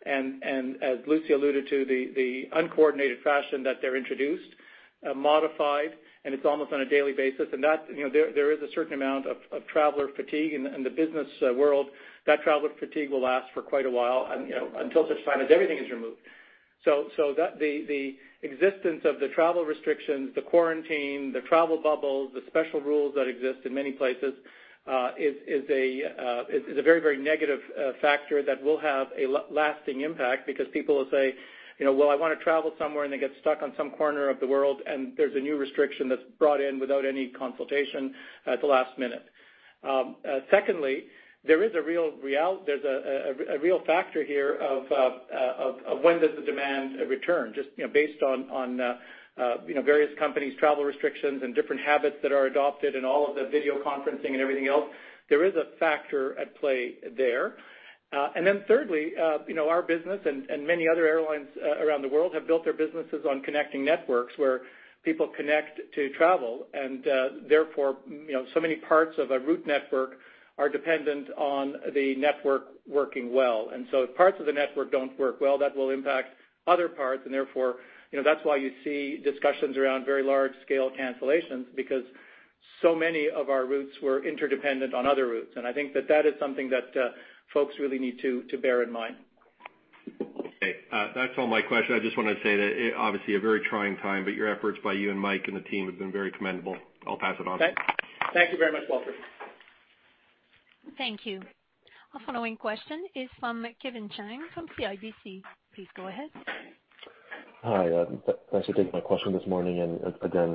and as Lucie alluded to, the uncoordinated fashion that they're introduced, modified, and it's almost on a daily basis. There is a certain amount of traveler fatigue in the business world. That traveler fatigue will last for quite a while until such time as everything is removed. The existence of the travel restrictions, the quarantine, the travel bubbles, the special rules that exist in many places is a very negative factor that will have a lasting impact because people will say, "Well, I want to travel somewhere," and they get stuck on some corner of the world, and there's a new restriction that's brought in without any consultation at the last minute. Secondly, there's a real factor here of when does the demand return, just based on various companies' travel restrictions and different habits that are adopted and all of the video conferencing and everything else. There is a factor at play there. Thirdly, our business and many other airlines around the world have built their businesses on connecting networks where people connect to travel, and therefore, so many parts of a route network are dependent on the network working well. If parts of the network don't work well, that will impact other parts, and therefore, that's why you see discussions around very large-scale cancellations because so many of our routes were interdependent on other routes. I think that that is something that folks really need to bear in mind. Okay. That's all my questions. I just want to say that obviously a very trying time, but your efforts by you and Mike and the team have been very commendable. I'll pass it on. Thank you very much, Walter. Thank you. Our following question is from Kevin Chiang from CIBC. Please go ahead. Hi. Thanks for taking my question this morning. Again,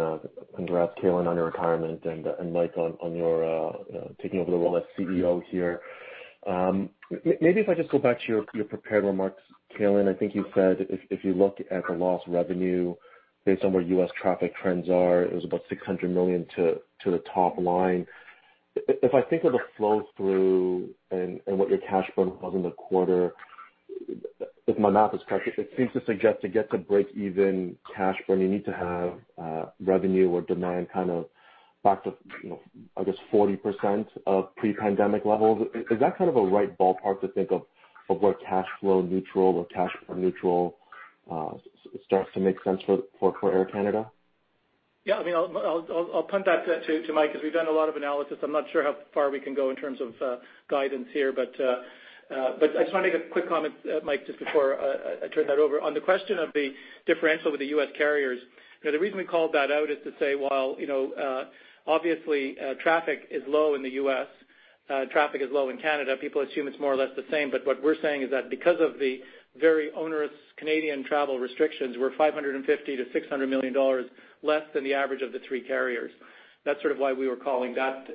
congrats, Calin, on your retirement and, Mike, on your taking over the role as CEO here. Maybe if I just go back to your prepared remarks, Calin, I think you said if you look at the lost revenue based on where U.S. traffic trends are, it was about 600 million to the top line. If I think of the flow-through and what your cash burn was in the quarter, if my math is correct, it seems to suggest to get to break even cash burn, you need to have revenue or demand kind of back to, I guess, 40% of pre-pandemic levels. Is that kind of a right ballpark to think of where cash flow neutral or cash burn neutral starts to make sense for Air Canada? Yeah. I'll punt that to Mike because we've done a lot of analysis. I'm not sure how far we can go in terms of guidance here. I just want to make a quick comment, Mike, just before I turn that over. On the question of the differential with the U.S. carriers, the reason we called that out is to say while obviously traffic is low in the U.S., traffic is low in Canada, people assume it's more or less the same. What we're saying is that because of the very onerous Canadian travel restrictions, we're 550 million-600 million dollars less than the average of the three carriers. That's sort of why we were calling that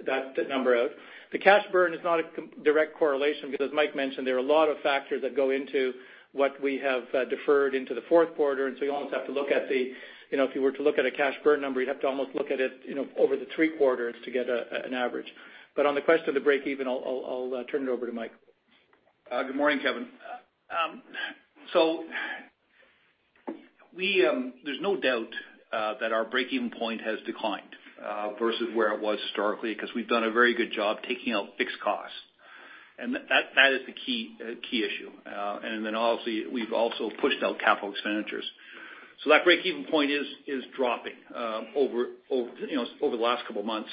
number out. The cash burn is not a direct correlation because as Mike mentioned, there are a lot of factors that go into what we have deferred into the Q4, and so if you were to look at a cash burn number, you'd have to almost look at it over the Q3 to get an average. On the question of the break-even, I'll turn it over to Mike. Good morning, Kevin. There's no doubt that our break-even point has declined versus where it was historically because we've done a very good job taking out fixed costs. That is the key issue. Obviously, we've also pushed out capital expenditures. That break-even point is dropping over the last couple of months.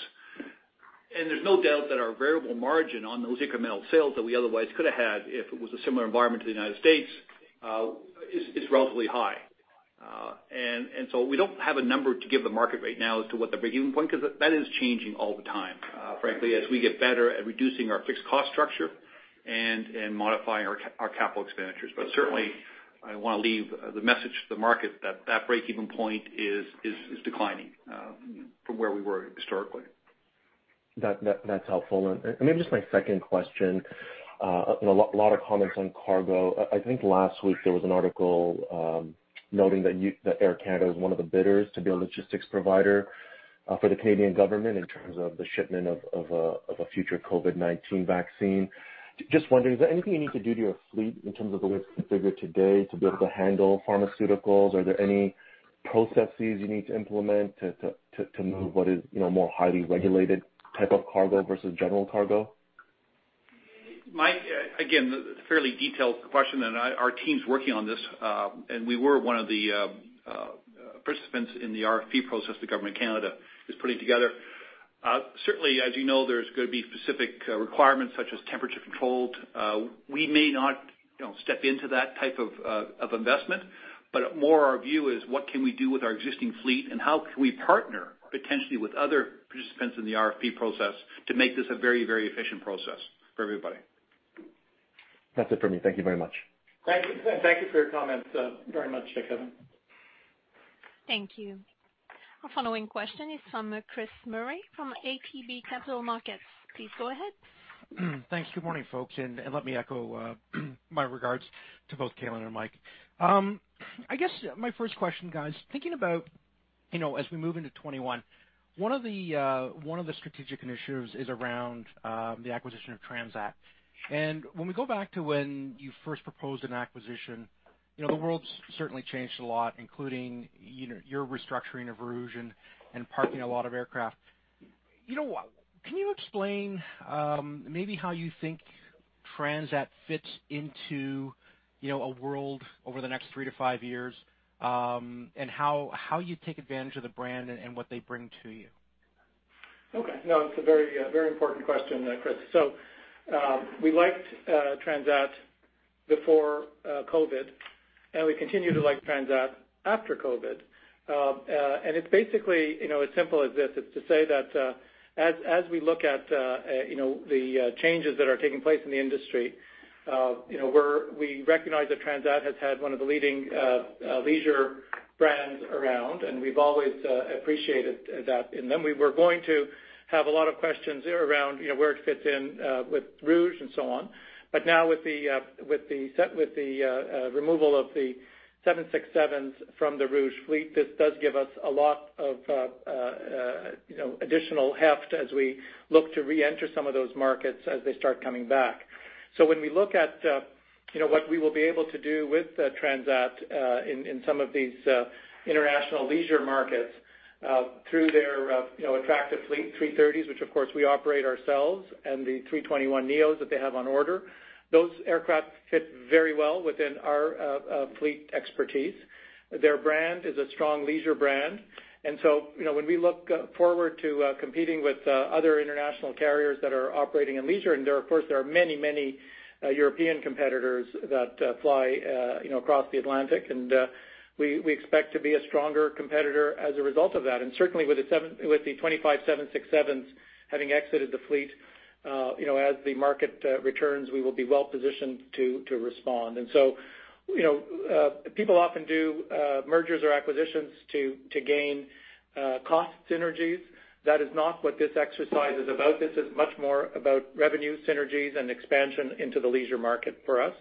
There's no doubt that our variable margin on those incremental sales that we otherwise could have had if it was a similar environment to the United States, is relatively high. We don't have a number to give the market right now as to what the break-even point, because that is changing all the time, frankly, as we get better at reducing our fixed cost structure and modifying our capital expenditures. Certainly I want to leave the message to the market that that break-even point is declining from where we were historically. That's helpful. Maybe just my second question. A lot of comments on cargo. I think last week there was an article noting that Air Canada is one of the bidders to be a logistics provider for the Canadian government in terms of the shipment of a future COVID-19 vaccine. Just wondering, is there anything you need to do to your fleet in terms of the way it's configured today to be able to handle pharmaceuticals? Are there any processes you need to implement to move what is more highly regulated type of cargo versus general cargo? Mike, again, fairly detailed question. Our team's working on this. We were one of the participants in the RFP process the Government of Canada is putting together. Certainly, as you know, there's going to be specific requirements such as temperature-controlled. We may not step into that type of investment. More our view is what can we do with our existing fleet and how can we partner potentially with other participants in the RFP process to make this a very efficient process for everybody. That's it from me. Thank you very much. Thank you for your comments very much, Kevin. Thank you. Our following question is from Chris Murray from ATB Capital Markets. Please go ahead. Thanks. Good morning, folks. Let me echo my regards to both Calin and Mike. I guess my first question, guys, thinking about as we move into 2021, one of the strategic initiatives is around the acquisition of Transat. When we go back to when you first proposed an acquisition, the world's certainly changed a lot, including your restructuring of Rouge and parking a lot of aircraft. Can you explain maybe how you think Transat fits into a world over the next three - five years? How you take advantage of the brand and what they bring to you? No, it's a very important question, Chris. We liked Transat before COVID, and we continue to like Transat after COVID. It's basically as simple as this, it's to say that as we look at the changes that are taking place in the industry, we recognize that Transat has had one of the leading leisure brands around, and we've always appreciated that in them. We were going to have a lot of questions around where it fits in with Rouge and so on. Now with the removal of the 767s from the Rouge fleet, this does give us a lot of additional heft as we look to reenter some of those markets as they start coming back. When we look at what we will be able to do with Transat in some of these international leisure markets through their attractive fleet, 330s, which of course we operate ourselves, and the 321neos that they have on order, those aircraft fit very well within our fleet expertise. Their brand is a strong leisure brand. When we look forward to competing with other international carriers that are operating in leisure, and of course there are many European competitors that fly across the Atlantic, and we expect to be a stronger competitor as a result of that. Certainly with the 25 767s having exited the fleet as the market returns, we will be well positioned to respond. People often do mergers or acquisitions to gain cost synergies. That is not what this exercise is about. This is much more about revenue synergies and expansion into the leisure market for us.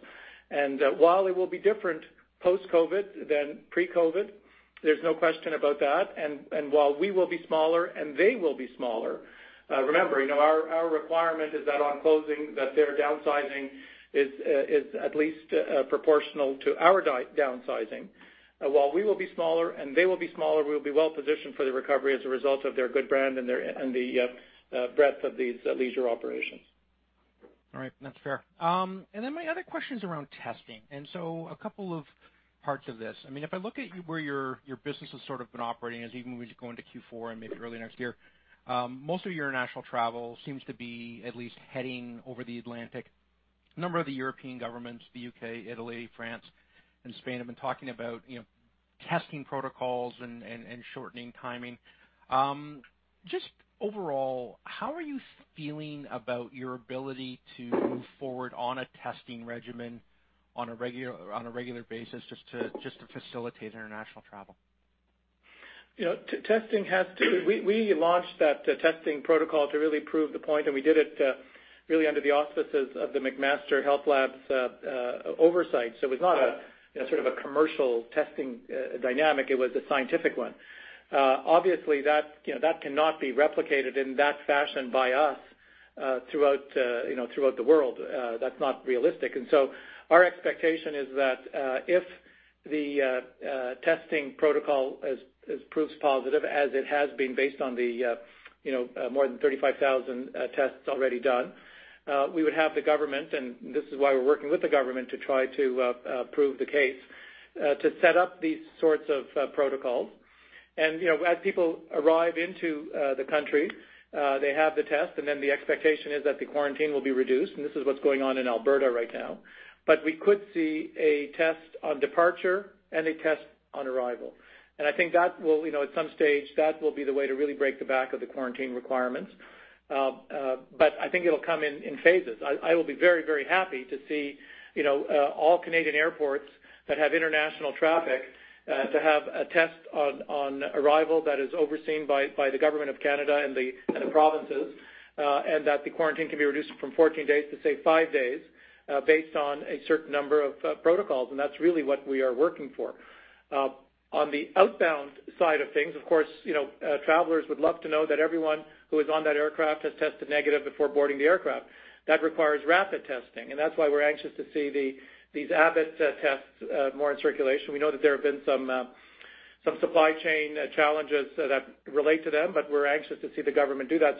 While it will be different post-COVID than pre-COVID, there's no question about that. While we will be smaller and they will be smaller, remember our requirement is that on closing, that their downsizing is at least proportional to our downsizing. While we will be smaller and they will be smaller, we will be well positioned for the recovery as a result of their good brand and the breadth of these leisure operations. All right. That's fair. My other question is around testing. A couple of parts of this. If I look at where your business has sort of been operating as even we go into Q4 and maybe early next year, most of your international travel seems to be at least heading over the Atlantic. A number of the European governments, the U.K., Italy, France, and Spain, have been talking about testing protocols and shortening timing. Just overall, how are you feeling about your ability to move forward on a testing regimen on a regular basis just to facilitate international travel? We launched that testing protocol to really prove the point. We did it really under the auspices of the McMaster HealthLabs oversight. It was not a sort of a commercial testing dynamic. It was a scientific one. Obviously that cannot be replicated in that fashion by us throughout the world. That's not realistic. Our expectation is that if the testing protocol proves positive as it has been based on the more than 35,000 tests already done, we would have the government, this is why we're working with the government to try to prove the case, to set up these sorts of protocols. As people arrive into the country, they have the test, the expectation is that the quarantine will be reduced. This is what's going on in Alberta right now. We could see a test on departure and a test on arrival. I think at some stage, that will be the way to really break the back of the quarantine requirements. I think it'll come in phases. I will be very, very happy to see all Canadian airports that have international traffic to have a test on arrival that is overseen by the Government of Canada and the provinces, and that the quarantine can be reduced from 14 days to, say, five days, based on a certain number of protocols, and that's really what we are working for. On the outbound side of things, of course, travelers would love to know that everyone who is on that aircraft has tested negative before boarding the aircraft. That requires rapid testing, and that's why we're anxious to see these Abbott tests more in circulation. We know that there have been some supply chain challenges that relate to them, but we're anxious to see the government do that.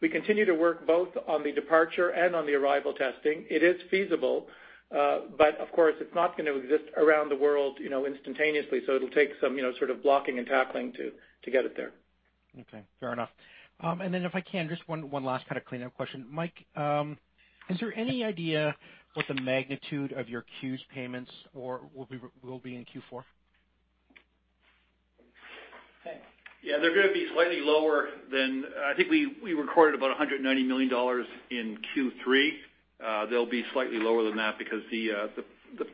We continue to work both on the departure and on the arrival testing. It is feasible, but of course it's not going to exist around the world instantaneously, so it'll take some sort of blocking and tackling to get it there. Okay. Fair enough. If I can, just one last kind of cleanup question. Mike, is there any idea what the magnitude of your CEWS payments will be in Q4? Yeah, I think we recorded about 190 million dollars in Q3. They'll be slightly lower than that because the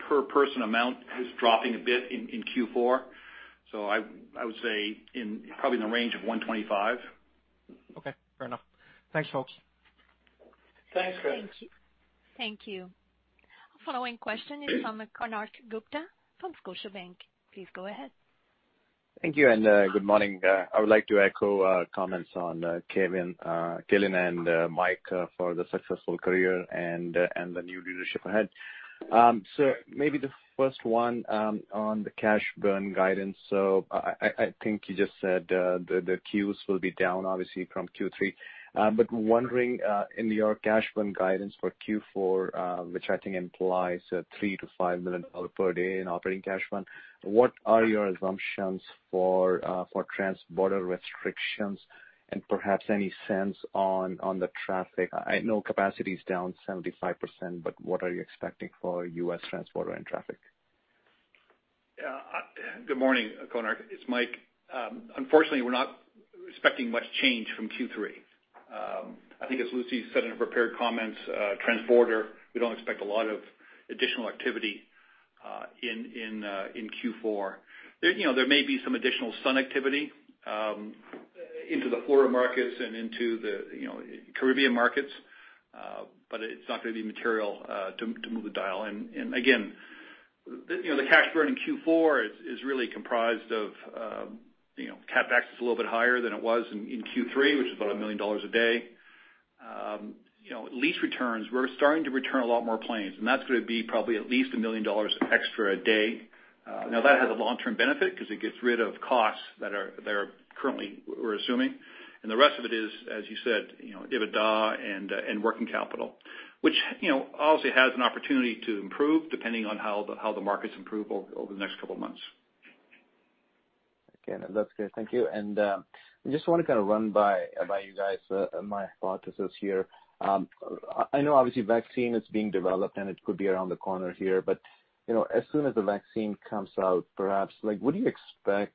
per person amount is dropping a bit in Q4. I would say probably in the range of 125 million. Okay. Fair enough. Thanks, folks. Thanks, Chris. Thank you. Thank you. Following question is from Konark Gupta from Scotiabank. Please go ahead. Thank you, and good morning. I would like to echo comments on Calin and Mike for the successful career and the new leadership ahead. Maybe the first one on the cash burn guidance. I think you just said the CEWS will be down obviously from Q3. Wondering, in your cash burn guidance for Q4, which I think implies 3 million-5 million dollar per day in operating cash burn, what are your assumptions for transborder restrictions and perhaps any sense on the traffic? I know capacity is down 75%, but what are you expecting for U.S. transborder and traffic? Good morning, Konark. It's Mike. Unfortunately, we're not expecting much change from Q3. I think as Lucie said in her prepared comments, transborder, we don't expect a lot of additional activity in Q4. There may be some additional sun activity into the Florida markets and into the Caribbean markets, but it's not going to be material to move the dial. Again, the cash burn in Q4 is really comprised of CapEx is a little bit higher than it was in Q3, which is about 1 million dollars a day. Lease returns, we're starting to return a lot more planes, and that's going to be probably at least 1 million dollars extra a day. That has a long-term benefit because it gets rid of costs that are currently we're assuming, and the rest of it is, as you said, EBITDA and working capital. Which obviously has an opportunity to improve depending on how the markets improve over the next couple of months. Okay. That's good. Thank you. I just want to kind of run by you guys my hypothesis here. I know obviously vaccine is being developed. It could be around the corner here. As soon as the vaccine comes out, perhaps, would you expect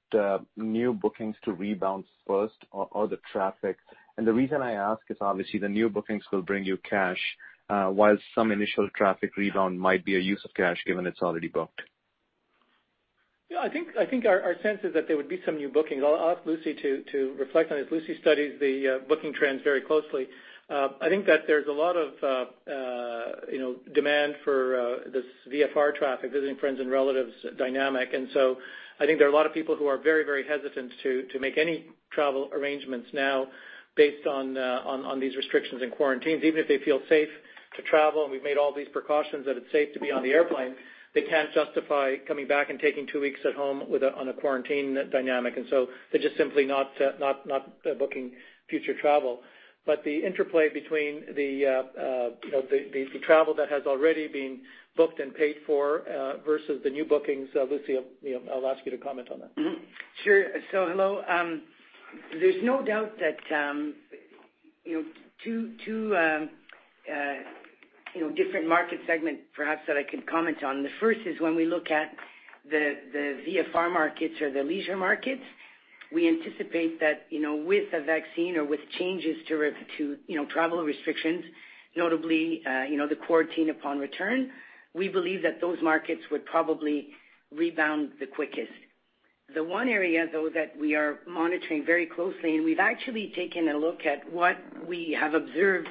new bookings to rebound first or the traffic? The reason I ask is obviously the new bookings will bring you cash, while some initial traffic rebound might be a use of cash given it's already booked. I think our sense is that there would be some new bookings. I'll ask Lucie to reflect on this. Lucie studies the booking trends very closely. I think that there's a lot of demand for this VFR traffic, visiting friends and relatives dynamic. I think there are a lot of people who are very, very hesitant to make any travel arrangements now based on these restrictions and quarantines. Even if they feel safe to travel, and we've made all these precautions that it's safe to be on the airplane, they can't justify coming back and taking two weeks at home on a quarantine dynamic. They're just simply not booking future travel. The interplay between the travel that has already been booked and paid for versus the new bookings, Lucie, I'll ask you to comment on that. Sure. Hello. There's no doubt that. Two different market segments perhaps that I could comment on. The first is when we look at the VFR markets or the leisure markets, we anticipate that with a vaccine or with changes to travel restrictions, notably the quarantine upon return, we believe that those markets would probably rebound the quickest. The one area, though, that we are monitoring very closely, and we've actually taken a look at what we have observed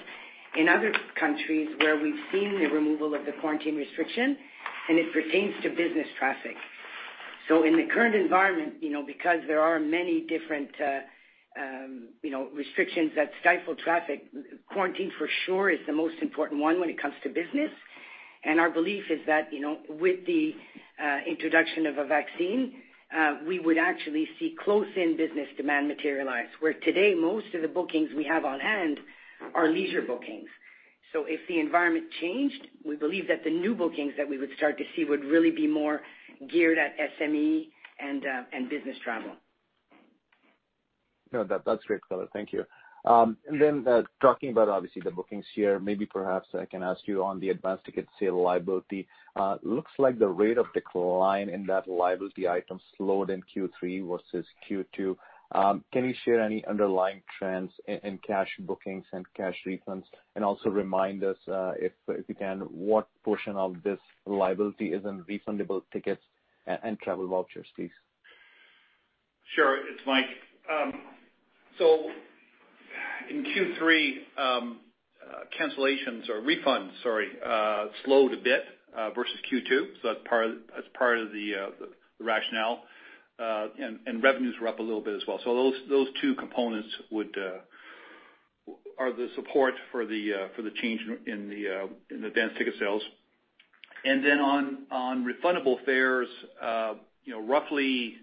in other countries where we've seen the removal of the quarantine restriction, and it pertains to business traffic. In the current environment, because there are many different restrictions that stifle traffic, quarantine for sure is the most important one when it comes to business. Our belief is that, with the introduction of a vaccine, we would actually see close in business demand materialize. Where today, most of the bookings we have on hand are leisure bookings. If the environment changed, we believe that the new bookings that we would start to see would really be more geared at SME and business travel. No, that's great, konark. Thank you. Talking about obviously the bookings here, maybe perhaps I can ask you on the advance ticket sale liability. Looks like the rate of decline in that liability item slowed in Q3 versus Q2. Can you share any underlying trends in cash bookings and cash refunds? Remind us, if you can, what portion of this liability is in refundable tickets and travel vouchers, please. Sure. It's Mike. In Q3, cancellations or refunds, sorry, slowed a bit versus Q2. That's part of the rationale. Revenues were up a little bit as well. Those two components are the support for the change in advance ticket sales. On refundable fares roughly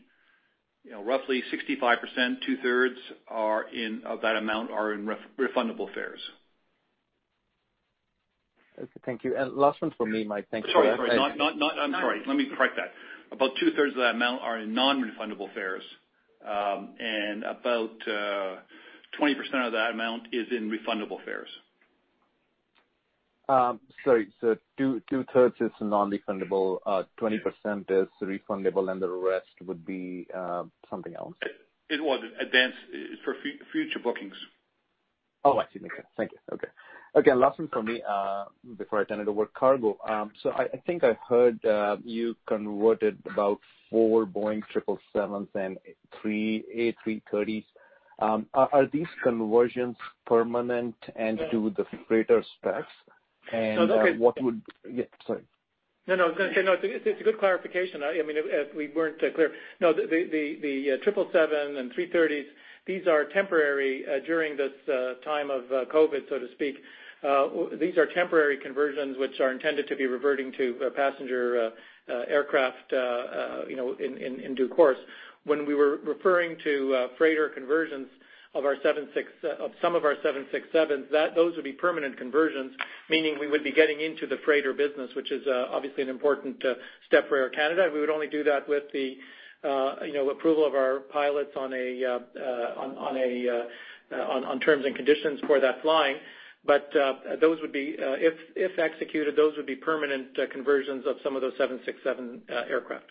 65%, two-thirds of that amount are in refundable fares. Okay, thank you. Last one for me, Mike. Thanks for that. Sorry. I'm sorry. Let me correct that. About two-thirds of that amount are in non-refundable fares. About 20% of that amount is in refundable fares. Sorry. Two-thirds is non-refundable, 20% is refundable, and the rest would be something else? It was advanced for future bookings. Oh, I see. Okay. Thank you. Okay. Last one for me before I turn it over to Cargo. I think I heard you converted about four Boeing 777s and three A330s. Are these conversions permanent and to the freighter specs? No, okay. Yeah, sorry. No, I was going to say, it's a good clarification. If we weren't clear. No, the 777 and 330s, these are temporary during this time of COVID, so to speak. These are temporary conversions which are intended to be reverting to passenger aircraft in due course. When we were referring to freighter conversions of some of our 767s, those would be permanent conversions, meaning we would be getting into the freighter business, which is obviously an important step for Air Canada. We would only do that with the approval of our pilots on terms and conditions for that flying. But if executed, those would be permanent conversions of some of those 767 aircraft.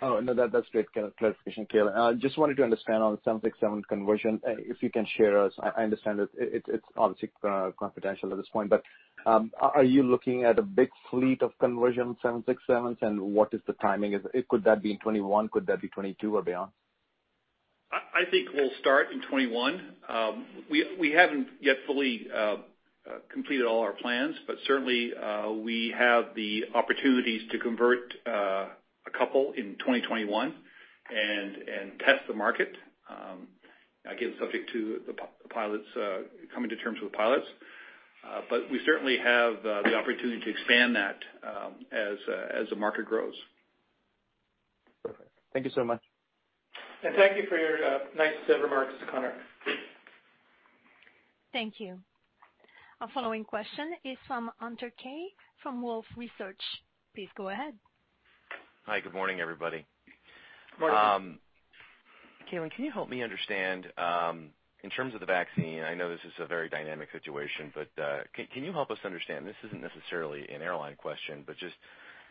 Oh, no, that's great clarification, Calin. Just wanted to understand on the 767 conversion, if you can share us. I understand that it's obviously confidential at this point, but are you looking at a big fleet of conversion 767s, and what is the timing? Could that be in 2021? Could that be 2022 or beyond? I think we'll start in 2021. We haven't yet fully completed all our plans, but certainly, we have the opportunities to convert a couple in 2021 and test the market. Again, subject to coming to terms with pilots. We certainly have the opportunity to expand that as the market grows. Perfect. Thank you so much. Thank you for your nice remarks, Konark. Thank you. Our following question is from Hunter Keay from Wolfe Research. Please go ahead. Hi, good morning, everybody. Morning. Calin, can you help me understand in terms of the vaccine, I know this is a very dynamic situation, but can you help us understand, this isn't necessarily an airline question, but just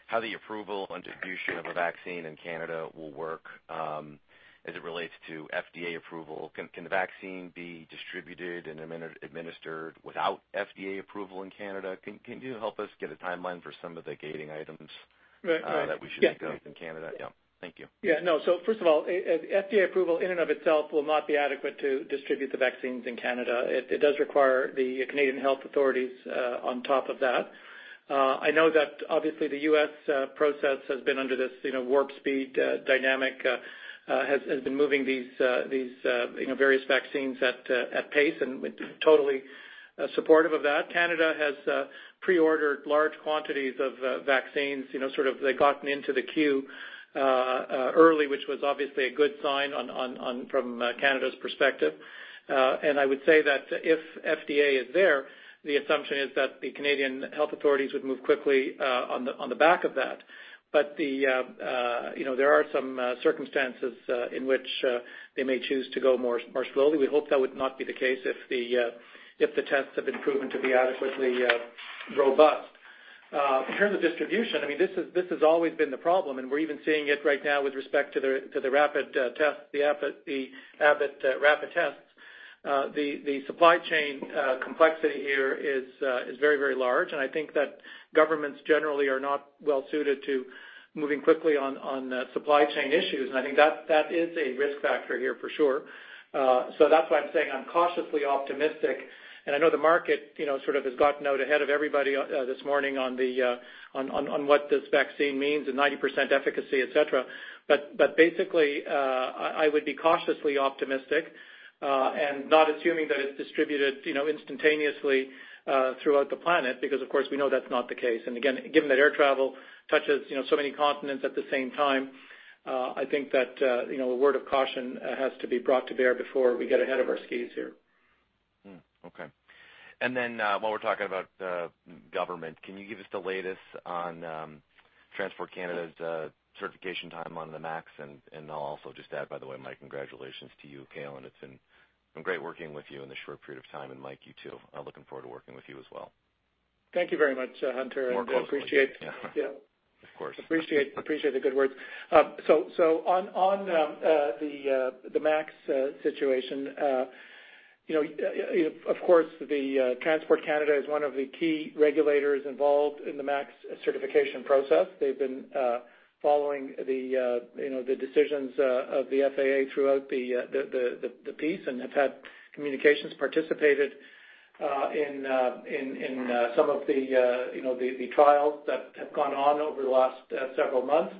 how the approval and distribution of a vaccine in Canada will work as it relates to FDA approval? Can the vaccine be distributed and administered without FDA approval in Canada? Can you help us get a timeline for some of the gating items. Right that we should think of in Canada? Yeah. Thank you. Yeah, no. First of all, FDA approval in and of itself will not be adequate to distribute the vaccines in Canada. It does require the Canadian health authorities on top of that. I know that obviously the U.S. process has been under this Warp Speed dynamic, has been moving these various vaccines at pace, and we're totally supportive of that. Canada has pre-ordered large quantities of vaccines, sort of, they've gotten into the queue early, which was obviously a good sign from Canada's perspective. I would say that if FDA is there, the assumption is that the Canadian health authorities would move quickly on the back of that. There are some circumstances in which they may choose to go more slowly. We hope that would not be the case if the tests have been proven to be adequately robust. In terms of distribution, this has always been the problem, and we're even seeing it right now with respect to the rapid tests, the Abbott rapid tests. The supply chain complexity here is very large, and I think that governments generally are not well-suited to moving quickly on supply chain issues. I think that is a risk factor here for sure. That's why I'm saying I'm cautiously optimistic, and I know the market sort of has gotten out ahead of everybody this morning on what this vaccine means and 90% efficacy, et cetera. Basically, I would be cautiously optimistic and not assuming that it's distributed instantaneously throughout the planet because, of course, we know that's not the case. Again, given that air travel touches so many continents at the same time, I think that a word of caution has to be brought to bear before we get ahead of our skis here. Okay. While we're talking about government, can you give us the latest on Transport Canada's certification time on the MAX? I'll also just add, by the way, Mike, congratulations to you, Calin. It's been great working with you in this short period of time, and Mike, you too. I'm looking forward to working with you as well. Thank you very much, Hunter. More closely. I appreciate. Yeah. Of course. Appreciate the good words. On the MAX situation, of course the Transport Canada is one of the key regulators involved in the MAX certification process. They've been following the decisions of the FAA throughout the piece and have had communications, participated in some of the trials that have gone on over the last several months.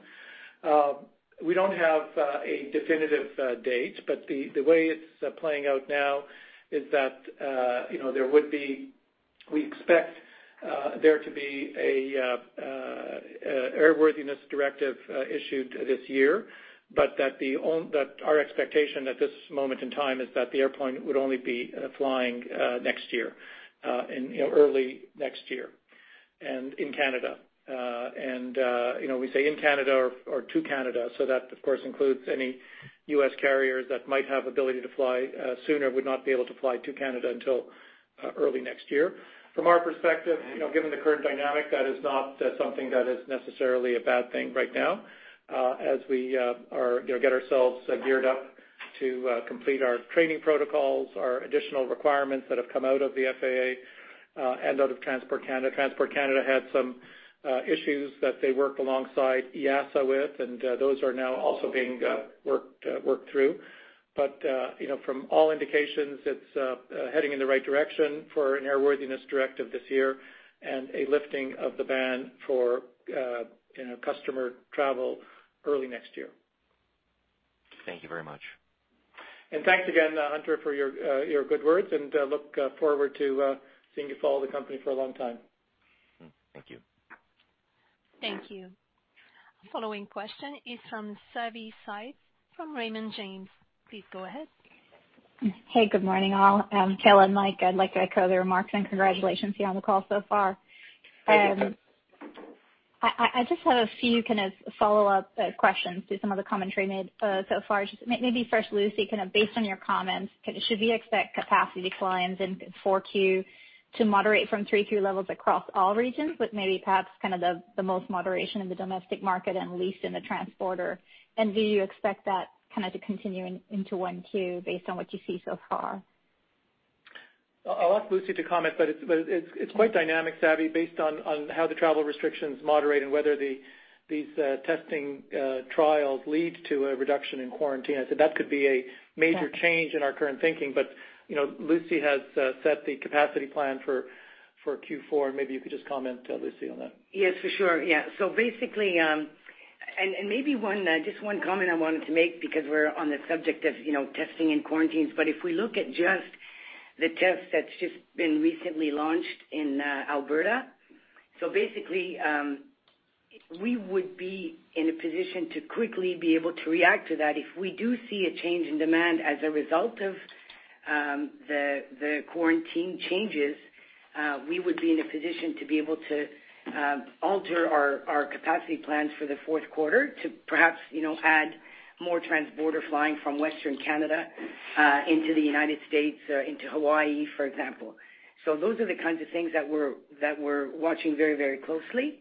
We don't have a definitive date, but the way it's playing out now is that we expect there to be an airworthiness directive issued this year, but that our expectation at this moment in time is that the airplane would only be flying next year, early next year in Canada. We say in Canada or to Canada, so that, of course, includes any U.S. carriers that might have ability to fly sooner, would not be able to fly to Canada until early next year. From our perspective, given the current dynamic, that is not something that is necessarily a bad thing right now as we get ourselves geared up to complete our training protocols, our additional requirements that have come out of the FAA and out of Transport Canada. Transport Canada had some issues that they worked alongside EASA with, and those are now also being worked through. From all indications, it's heading in the right direction for an airworthiness directive this year and a lifting of the ban for customer travel early next year. Thank you very much. Thanks again, Hunter, for your good words, and look forward to seeing you follow the company for a long time. Thank you. Thank you. Following question is from Savanthi Syth from Raymond James. Please go ahead. Hey, good morning, all. Calin, Mike, I'd like to echo the remarks and congratulations to you on the call so far. Thank you. I just have a few follow-up questions to some of the commentary made so far. Just maybe first, Lucie, based on your comments, should we expect capacity declines in 4Q to moderate from 3Q levels across all regions, with maybe perhaps the most moderation in the domestic market and least in the transborder? Do you expect that to continue into 1Q based on what you see so far? I'll ask Lucie to comment, but it's quite dynamic, Savi, based on how the travel restrictions moderate and whether these testing trials lead to a reduction in quarantine. I said that could be a major change in our current thinking. Lucie has set the capacity plan for Q4, and maybe you could just comment, Lucie, on that. Yes, for sure. Basically, and maybe just one comment I wanted to make because we're on the subject of testing and quarantines. If we look at just the tests that's just been recently launched in Alberta, basically, we would be in a position to quickly be able to react to that. If we do see a change in demand as a result of the quarantine changes, we would be in a position to be able to alter our capacity plans for the Q4 to perhaps add more transborder flying from Western Canada into the United States, into Hawaii, for example. Those are the kinds of things that we're watching very closely.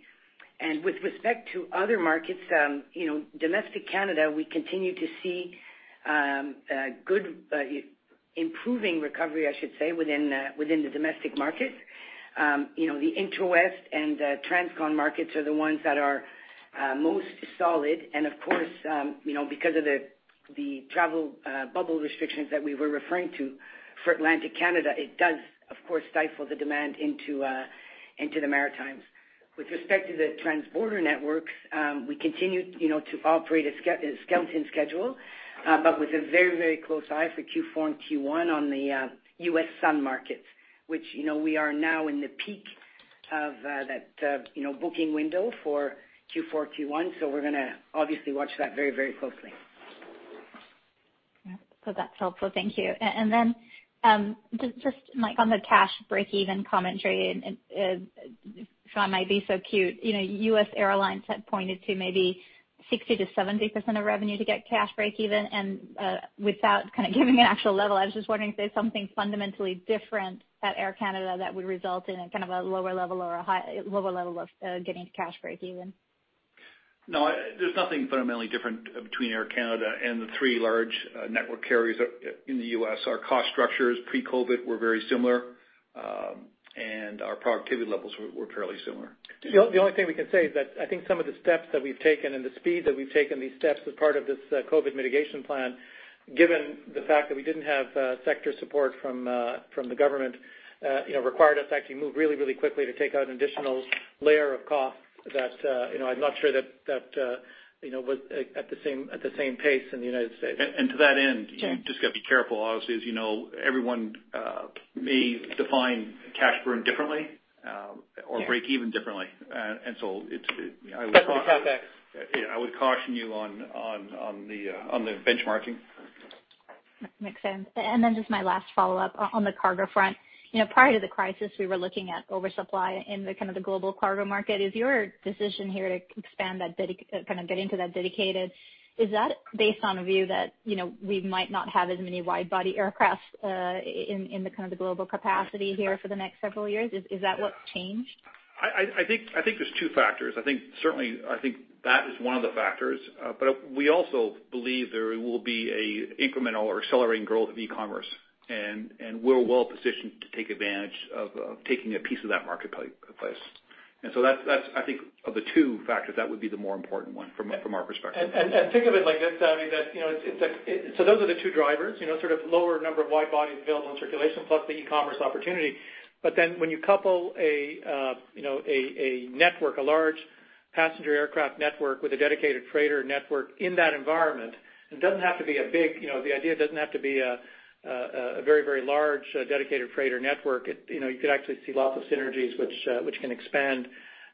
With respect to other markets, domestic Canada, we continue to see good improving recovery, I should say, within the domestic market. The intra-west and transcon markets are the ones that are most solid. Of course, because of the travel bubble restrictions that we were referring to for Atlantic Canada, it does, of course, stifle the demand into the Maritimes. With respect to the transborder networks, we continue to operate a skeleton schedule, but with a very close eye for Q4 and Q1 on the U.S. sun markets, which we are now in the peak of that booking window for Q4, Q1. We're going to obviously watch that very closely. That's helpful. Thank you. Then, just on the cash breakeven commentary, and if I might be so cute, U.S. Airlines had pointed to maybe 60%-70% of revenue to get cash breakeven and without kind of giving an actual level, I was just wondering if there's something fundamentally different at Air Canada that would result in a lower level of getting to cash breakeven. No, there's nothing fundamentally different between Air Canada and the three large network carriers in the U.S. Our cost structures pre-COVID-19 were very similar, and our productivity levels were fairly similar. The only thing we can say is that I think some of the steps that we've taken and the speed that we've taken these steps as part of this COVID mitigation plan, given the fact that we didn't have sector support from the government required us to actually move really quickly to take out an additional layer of cost that I'm not sure that was at the same pace in the United States. And to that end- Yeah you've just got to be careful, obviously, as everyone may define cash burn differently or break even differently. That's the context. I would caution you on the benchmarking. Makes sense. Just my last follow-up on the cargo front. Prior to the crisis, we were looking at oversupply in the global cargo market. Is your decision here to expand that, kind of get into that dedicated, is that based on a view that we might not have as many wide-body aircraft in the kind of the global capacity here for the next several years? Is that what's changed? I think there's two factors. I think certainly, I think that is one of the factors. We also believe there will be a incremental or accelerating growth of e-commerce, and we're well-positioned to take advantage of taking a piece of that marketplace. That's, I think, of the two factors, that would be the more important one from our perspective. Think of it like this, Abby, so those are the two drivers, sort of lower number of wide-bodies available in circulation plus the e-commerce opportunity. When you couple a network, a large passenger aircraft network with a dedicated freighter network in that environment, it doesn't have to be a very large dedicated freighter network. You could actually see lots of synergies which can expand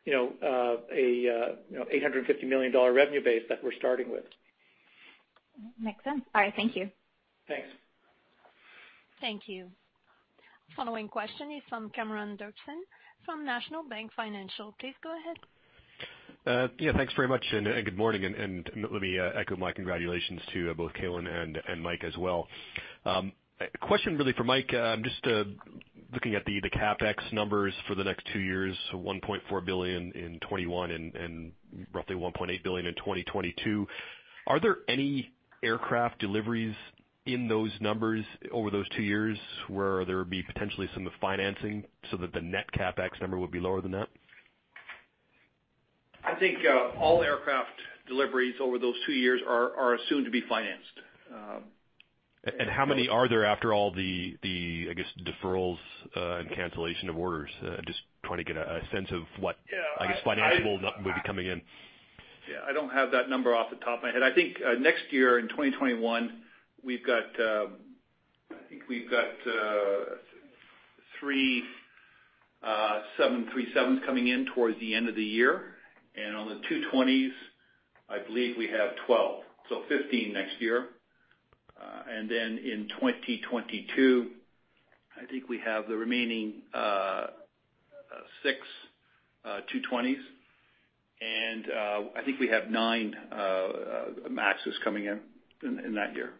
a 850 million dollar revenue base that we're starting with. Makes sense. All right. Thank you. Thanks. Thank you. Following question is from Cameron Doerksen from National Bank Financial. Please go ahead. Yeah, thanks very much, and good morning, and let me echo my congratulations to both Calin and Mike as well. Question really for Mike. Just looking at the CapEx numbers for the next two years, so 1.4 billion in 2021 and roughly 1.8 billion in 2022. Are there any aircraft deliveries in those numbers over those two years where there would be potentially some financing so that the net CapEx number would be lower than that? I think all aircraft deliveries over those two years are assumed to be financed. How many are there after all the, I guess, deferrals and cancellation of orders? Yeah. I- I guess financial would be coming in. Yeah. I don't have that number off the top of my head. I think next year in 2021, I think we've got three 737s coming in towards the end of the year. On the 220s, I believe we have 12, so 15 next year. In 2022, I think we have the remaining six 220s, and I think we have nine MAXs coming in that year.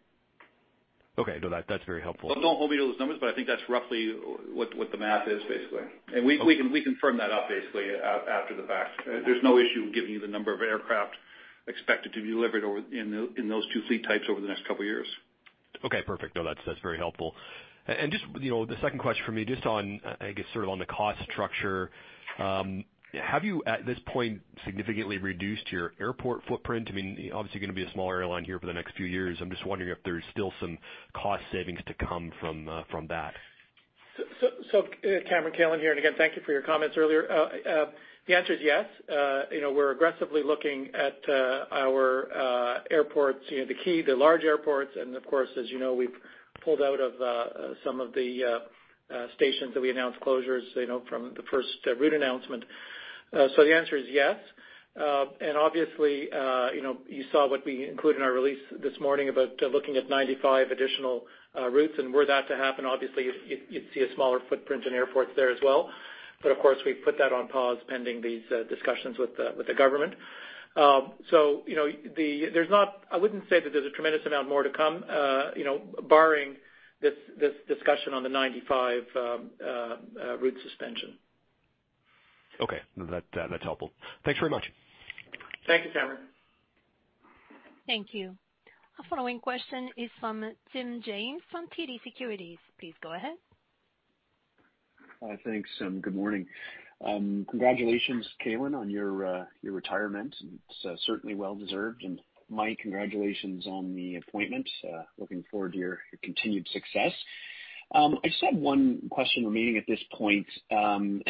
Okay. No, that's very helpful. Don't hold me to those numbers, but I think that's roughly what the math is, basically. We can firm that up basically after the fact. There's no issue giving you the number of aircraft expected to be delivered in those two fleet types over the next couple of years. Okay, perfect. No, that's very helpful. Just the second question for me, just on, I guess, sort of on the cost structure. Have you, at this point, significantly reduced your airport footprint? Obviously you're going to be a smaller airline here for the next few years. I'm just wondering if there's still some cost savings to come from that. Cameron, Calin here, and again, thank you for your comments earlier. The answer is yes. We're aggressively looking at our airports, the key, the large airports, and of course, as you know, we've pulled out of some of the stations that we announced closures from the first route announcement. The answer is yes. Obviously, you saw what we included in our release this morning about looking at 95 additional routes, and were that to happen, obviously, you'd see a smaller footprint in airports there as well. Of course, we've put that on pause pending these discussions with the government. I wouldn't say that there's a tremendous amount more to come barring this discussion on the 95 route suspension. Okay. That's helpful. Thanks very much. Thank you, Cameron. Thank you. Our following question is from Tim James from TD Securities. Please go ahead. Thanks, and good morning. Congratulations, Calin, on your retirement. It's certainly well-deserved. Mike, congratulations on the appointment. Looking forward to your continued success. I just have one question remaining at this point. I'm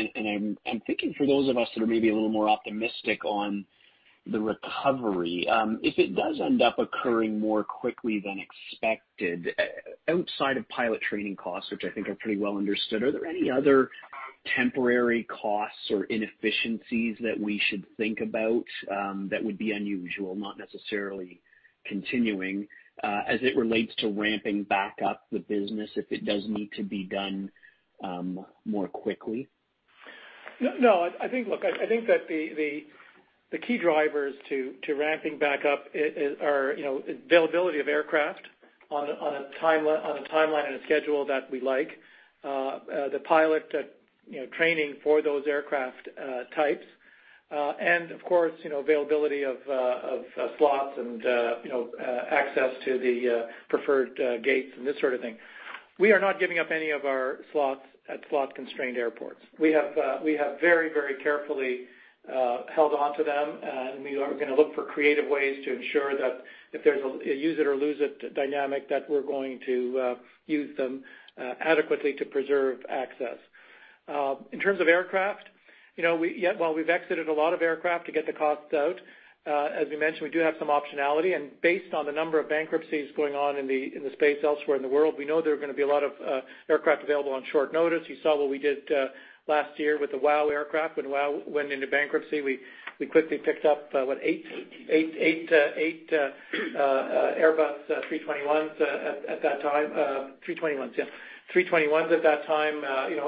thinking for those of us that are maybe a little more optimistic on the recovery. If it does end up occurring more quickly than expected, outside of pilot training costs, which I think are pretty well understood, are there any other temporary costs or inefficiencies that we should think about that would be unusual, not necessarily continuing, as it relates to ramping back up the business if it does need to be done more quickly? No. Look, I think that the key drivers to ramping back up are availability of aircraft on a timeline and a schedule that we like. The pilot training for those aircraft types, and of course, availability of slots and access to the preferred gates and this sort of thing. We are not giving up any of our slots at slot-constrained airports. We have very carefully held onto them, and we are going to look for creative ways to ensure that if there's a use it or lose it dynamic, that we're going to use them adequately to preserve access. In terms of aircraft, while we've exited a lot of aircraft to get the costs out, as we mentioned, we do have some optionality and based on the number of bankruptcies going on in the space elsewhere in the world, we know there are going to be a lot of aircraft available on short notice. You saw what we did last year with the WOW Air aircraft. When WOW Air went into bankruptcy, we quickly picked up, what, eight Airbus A321s at that time. A321s, yeah. A321s at that time in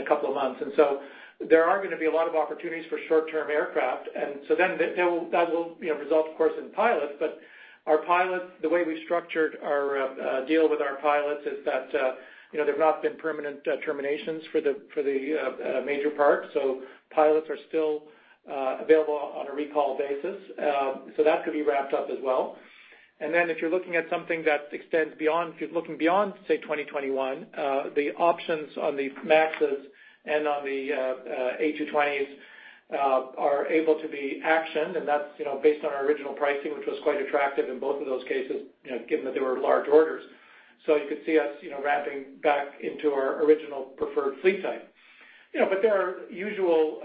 a couple of months. There are going to be a lot of opportunities for short-term aircraft. That will result, of course, in pilots. Our pilots, the way we structured our deal with our pilots is that there have not been permanent terminations for the major part. Pilots are still available on a recall basis. That could be ramped up as well. Then if you're looking at something that extends beyond, say, 2021, the options on the MAXes and on the A220s are able to be actioned, and that's based on our original pricing, which was quite attractive in both of those cases, given that they were large orders. You could see us ramping back into our original preferred fleet type. There are usual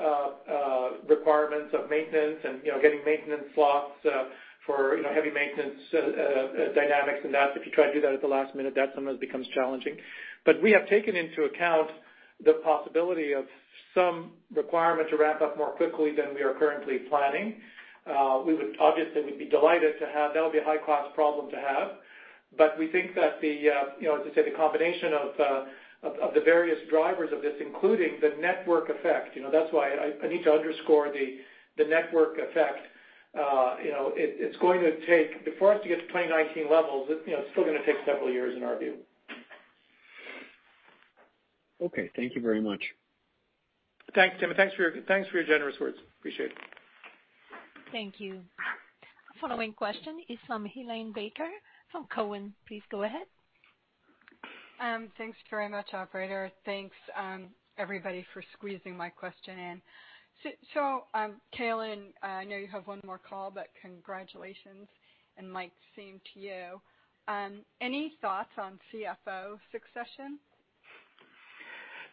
requirements of maintenance and getting maintenance slots for heavy maintenance dynamics and that. If you try to do that at the last minute, that sometimes becomes challenging. We have taken into account the possibility of some requirement to ramp up more quickly than we are currently planning. Obviously, we'd be delighted to have. That would be a high-cost problem to have. We think that the, as I say, the combination of the various drivers of this, including the network effect. That's why I need to underscore the network effect. For us to get to 2019 levels, it's still going to take several years in our view. Okay. Thank you very much. Thanks, Tim. Thanks for your generous words. Appreciate it. Thank you. Following question is from Helane Becker from Cowen. Please go ahead. Thanks very much, operator. Thanks, everybody, for squeezing my question in. Calin, I know you have one more call, but congratulations, and Mike, same to you. Any thoughts on CFO succession?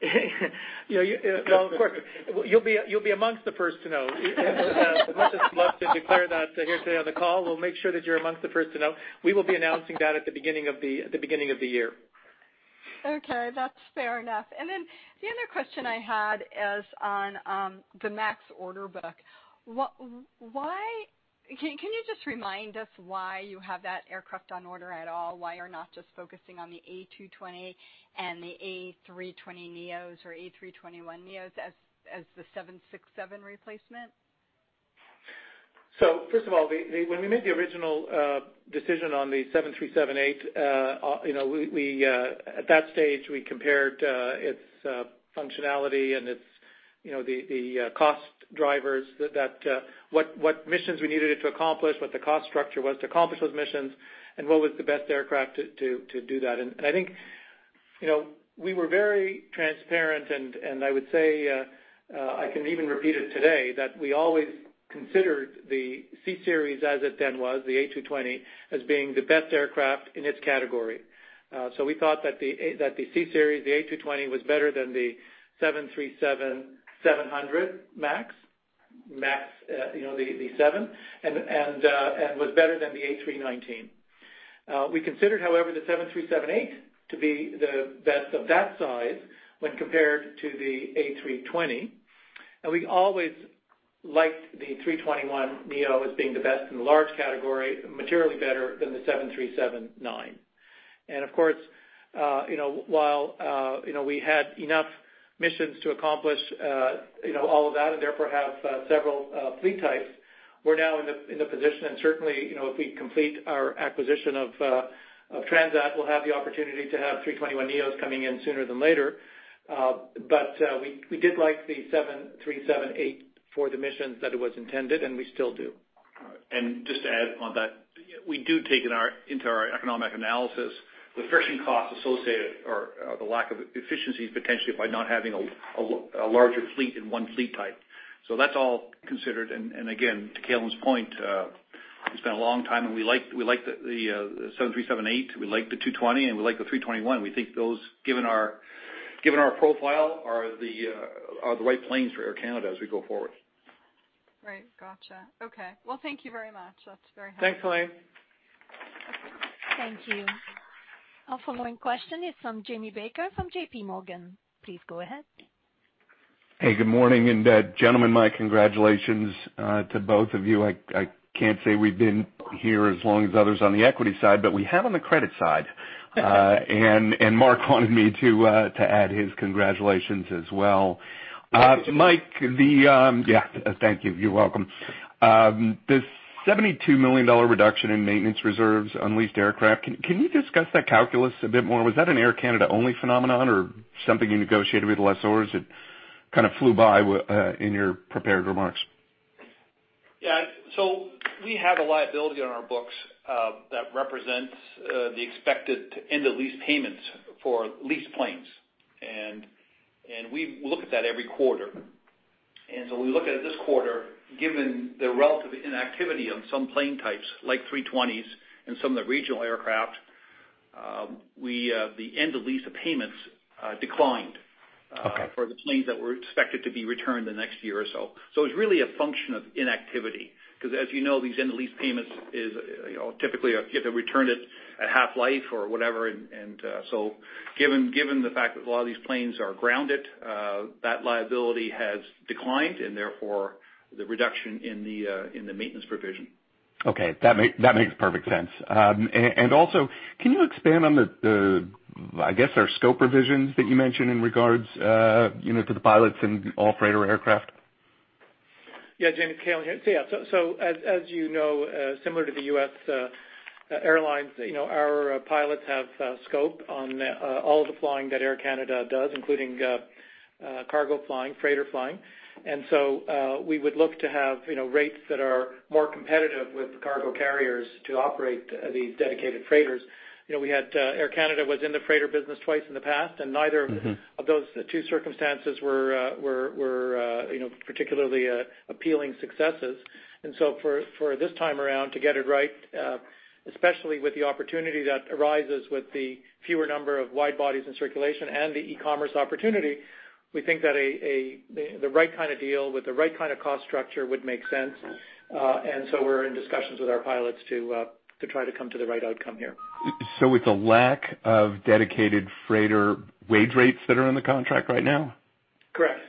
Of course. You'll be amongst the first to know. Not to declare that here today on the call, we'll make sure that you're amongst the first to know. We will be announcing that at the beginning of the year. Okay. That's fair enough. The other question I had is on the MAX order book. Can you just remind us why you have that aircraft on order at all? Why you're not just focusing on the A220 and the A320neos or A321neos as the 767 replacement? First of all, when we made the original decision on the 737-8, at that stage, we compared its functionality and the cost drivers that what missions we needed it to accomplish, what the cost structure was to accomplish those missions, and what was the best aircraft to do that. I think we were very transparent, and I would say, I can even repeat it today, that we always considered the CSeries as it then was, the A220, as being the best aircraft in its category. We thought that the CSeries, the A220, was better than the 737-700 MAX, the seven, and was better than the A319. We considered, however, the 737-8 to be the best of that size when compared to the A320. We always liked the A321neo as being the best in the large category, materially better than the 737-9. Of course, while we had enough missions to accomplish all of that and therefore have several fleet types, we are now in the position and certainly, if we complete our acquisition of Transat, we will have the opportunity to have A321neos coming in sooner than later. We did like the 737-8 for the missions that it was intended, and we still do. Just to add on that, we do take into our economic analysis the friction costs associated or the lack of efficiencies potentially by not having a larger fleet in one fleet type. That's all considered. Again, to Calin's point, we spent a long time and we liked the 737-8, we liked the 220, and we liked the 321. We think those, given our profile, are the right planes for Air Canada as we go forward. Right. Gotcha. Okay. Well, thank you very much. That's very helpful. Thanks, Helane. Thank you. Our following question is from Jamie Baker from JPMorgan. Please go ahead. Good morning. Gentlemen, my congratulations to both of you. I can't say we've been here as long as others on the equity side, but we have on the credit side. Mark wanted me to add his congratulations as well. Thank you. Mike, Yeah. Thank you. You're welcome. The 72 million dollar reduction in maintenance reserves on leased aircraft, can you discuss that calculus a bit more? Was that an Air Canada only phenomenon or something you negotiated with the lessors? It kind of flew by in your prepared remarks. We have a liability on our books that represents the expected end-of-lease payments for leased planes. We look at that every quarter. We look at it this quarter, given the relative inactivity on some plane types like A320s and some of the regional aircraft, the end-of-lease payments declined. Okay for the planes that were expected to be returned in the next year or so. It's really a function of inactivity because as you know, these end-of-lease payments is typically, you have to return it at half-life or whatever and so given the fact that a lot of these planes are grounded, that liability has declined and therefore the reduction in the maintenance provision. Okay. That makes perfect sense. Also, can you expand on the, I guess our scope revisions that you mentioned in regards to the pilots and all freighter aircraft? Yeah, Jamie, Calin here. As you know, similar to the U.S. airlines, our pilots have scope on all of the flying that Air Canada does, including cargo flying, freighter flying. We would look to have rates that are more competitive with the cargo carriers to operate these dedicated freighters. Air Canada was in the freighter business twice in the past. of those two circumstances were particularly appealing successes. For this time around to get it right, especially with the opportunity that arises with the fewer number of wide bodies in circulation and the e-commerce opportunity, we think that the right kind of deal with the right kind of cost structure would make sense. We are in discussions with our pilots to try to come to the right outcome here. With the lack of dedicated freighter wage rates that are in the contract right now? Correct.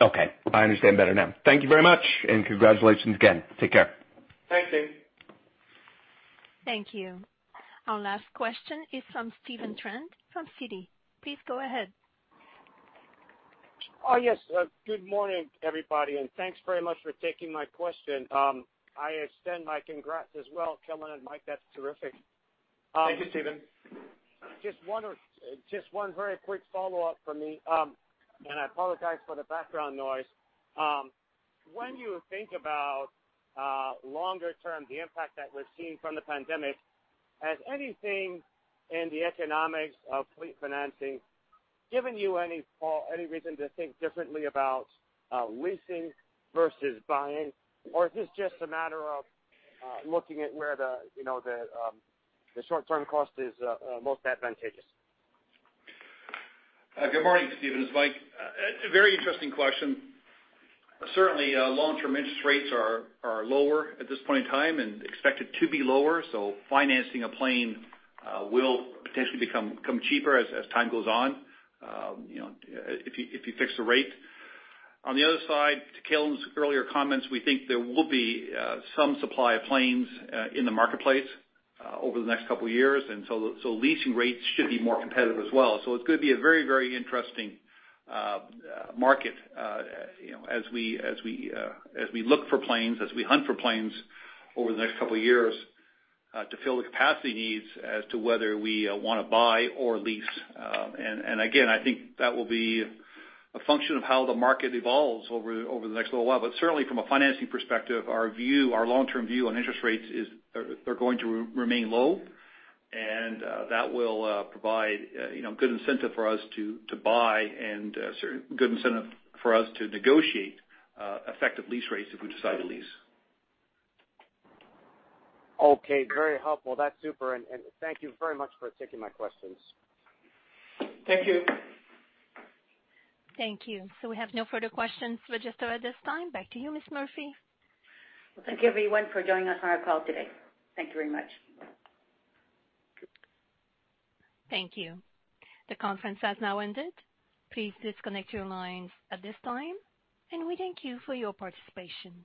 Okay. I understand better now. Thank you very much, and congratulations again. Take care. Thanks, Jamie. Thank you. Our last question is from Stephen Trent from Citi. Please go ahead. Oh, yes. Good morning, everybody. Thanks very much for taking my question. I extend my congrats as well, Calin and Mike. That's terrific. Thank you, Stephen. Just one very quick follow-up from me. I apologize for the background noise. When you think about longer term, the impact that we're seeing from the pandemic, has anything in the economics of fleet financing given you any reason to think differently about leasing versus buying, or is this just a matter of looking at where the short-term cost is most advantageous? Good morning, Stephen. It's Mike. A very interesting question. Certainly, long-term interest rates are lower at this point in time and expected to be lower, financing a plane will potentially become cheaper as time goes on if you fix the rate. On the other side, to Calin's earlier comments, we think there will be some supply of planes in the marketplace over the next couple of years, and so leasing rates should be more competitive as well. It's going to be a very interesting market as we look for planes, as we hunt for planes over the next couple of years, to fill the capacity needs as to whether we want to buy or lease. Again, I think that will be a function of how the market evolves over the next little while. Certainly, from a financing perspective, our long-term view on interest rates is they're going to remain low, and that will provide good incentive for us to buy and certainly good incentive for us to negotiate effective lease rates if we decide to lease. Okay. Very helpful. That's super, and thank you very much for taking my questions. Thank you. Thank you. We have no further questions registered at this time. Back to you, Ms. Murphy. Well, thank you everyone for joining us on our call today. Thank you very much. Thank you. The conference has now ended. Please disconnect your lines at this time, and we thank you for your participation.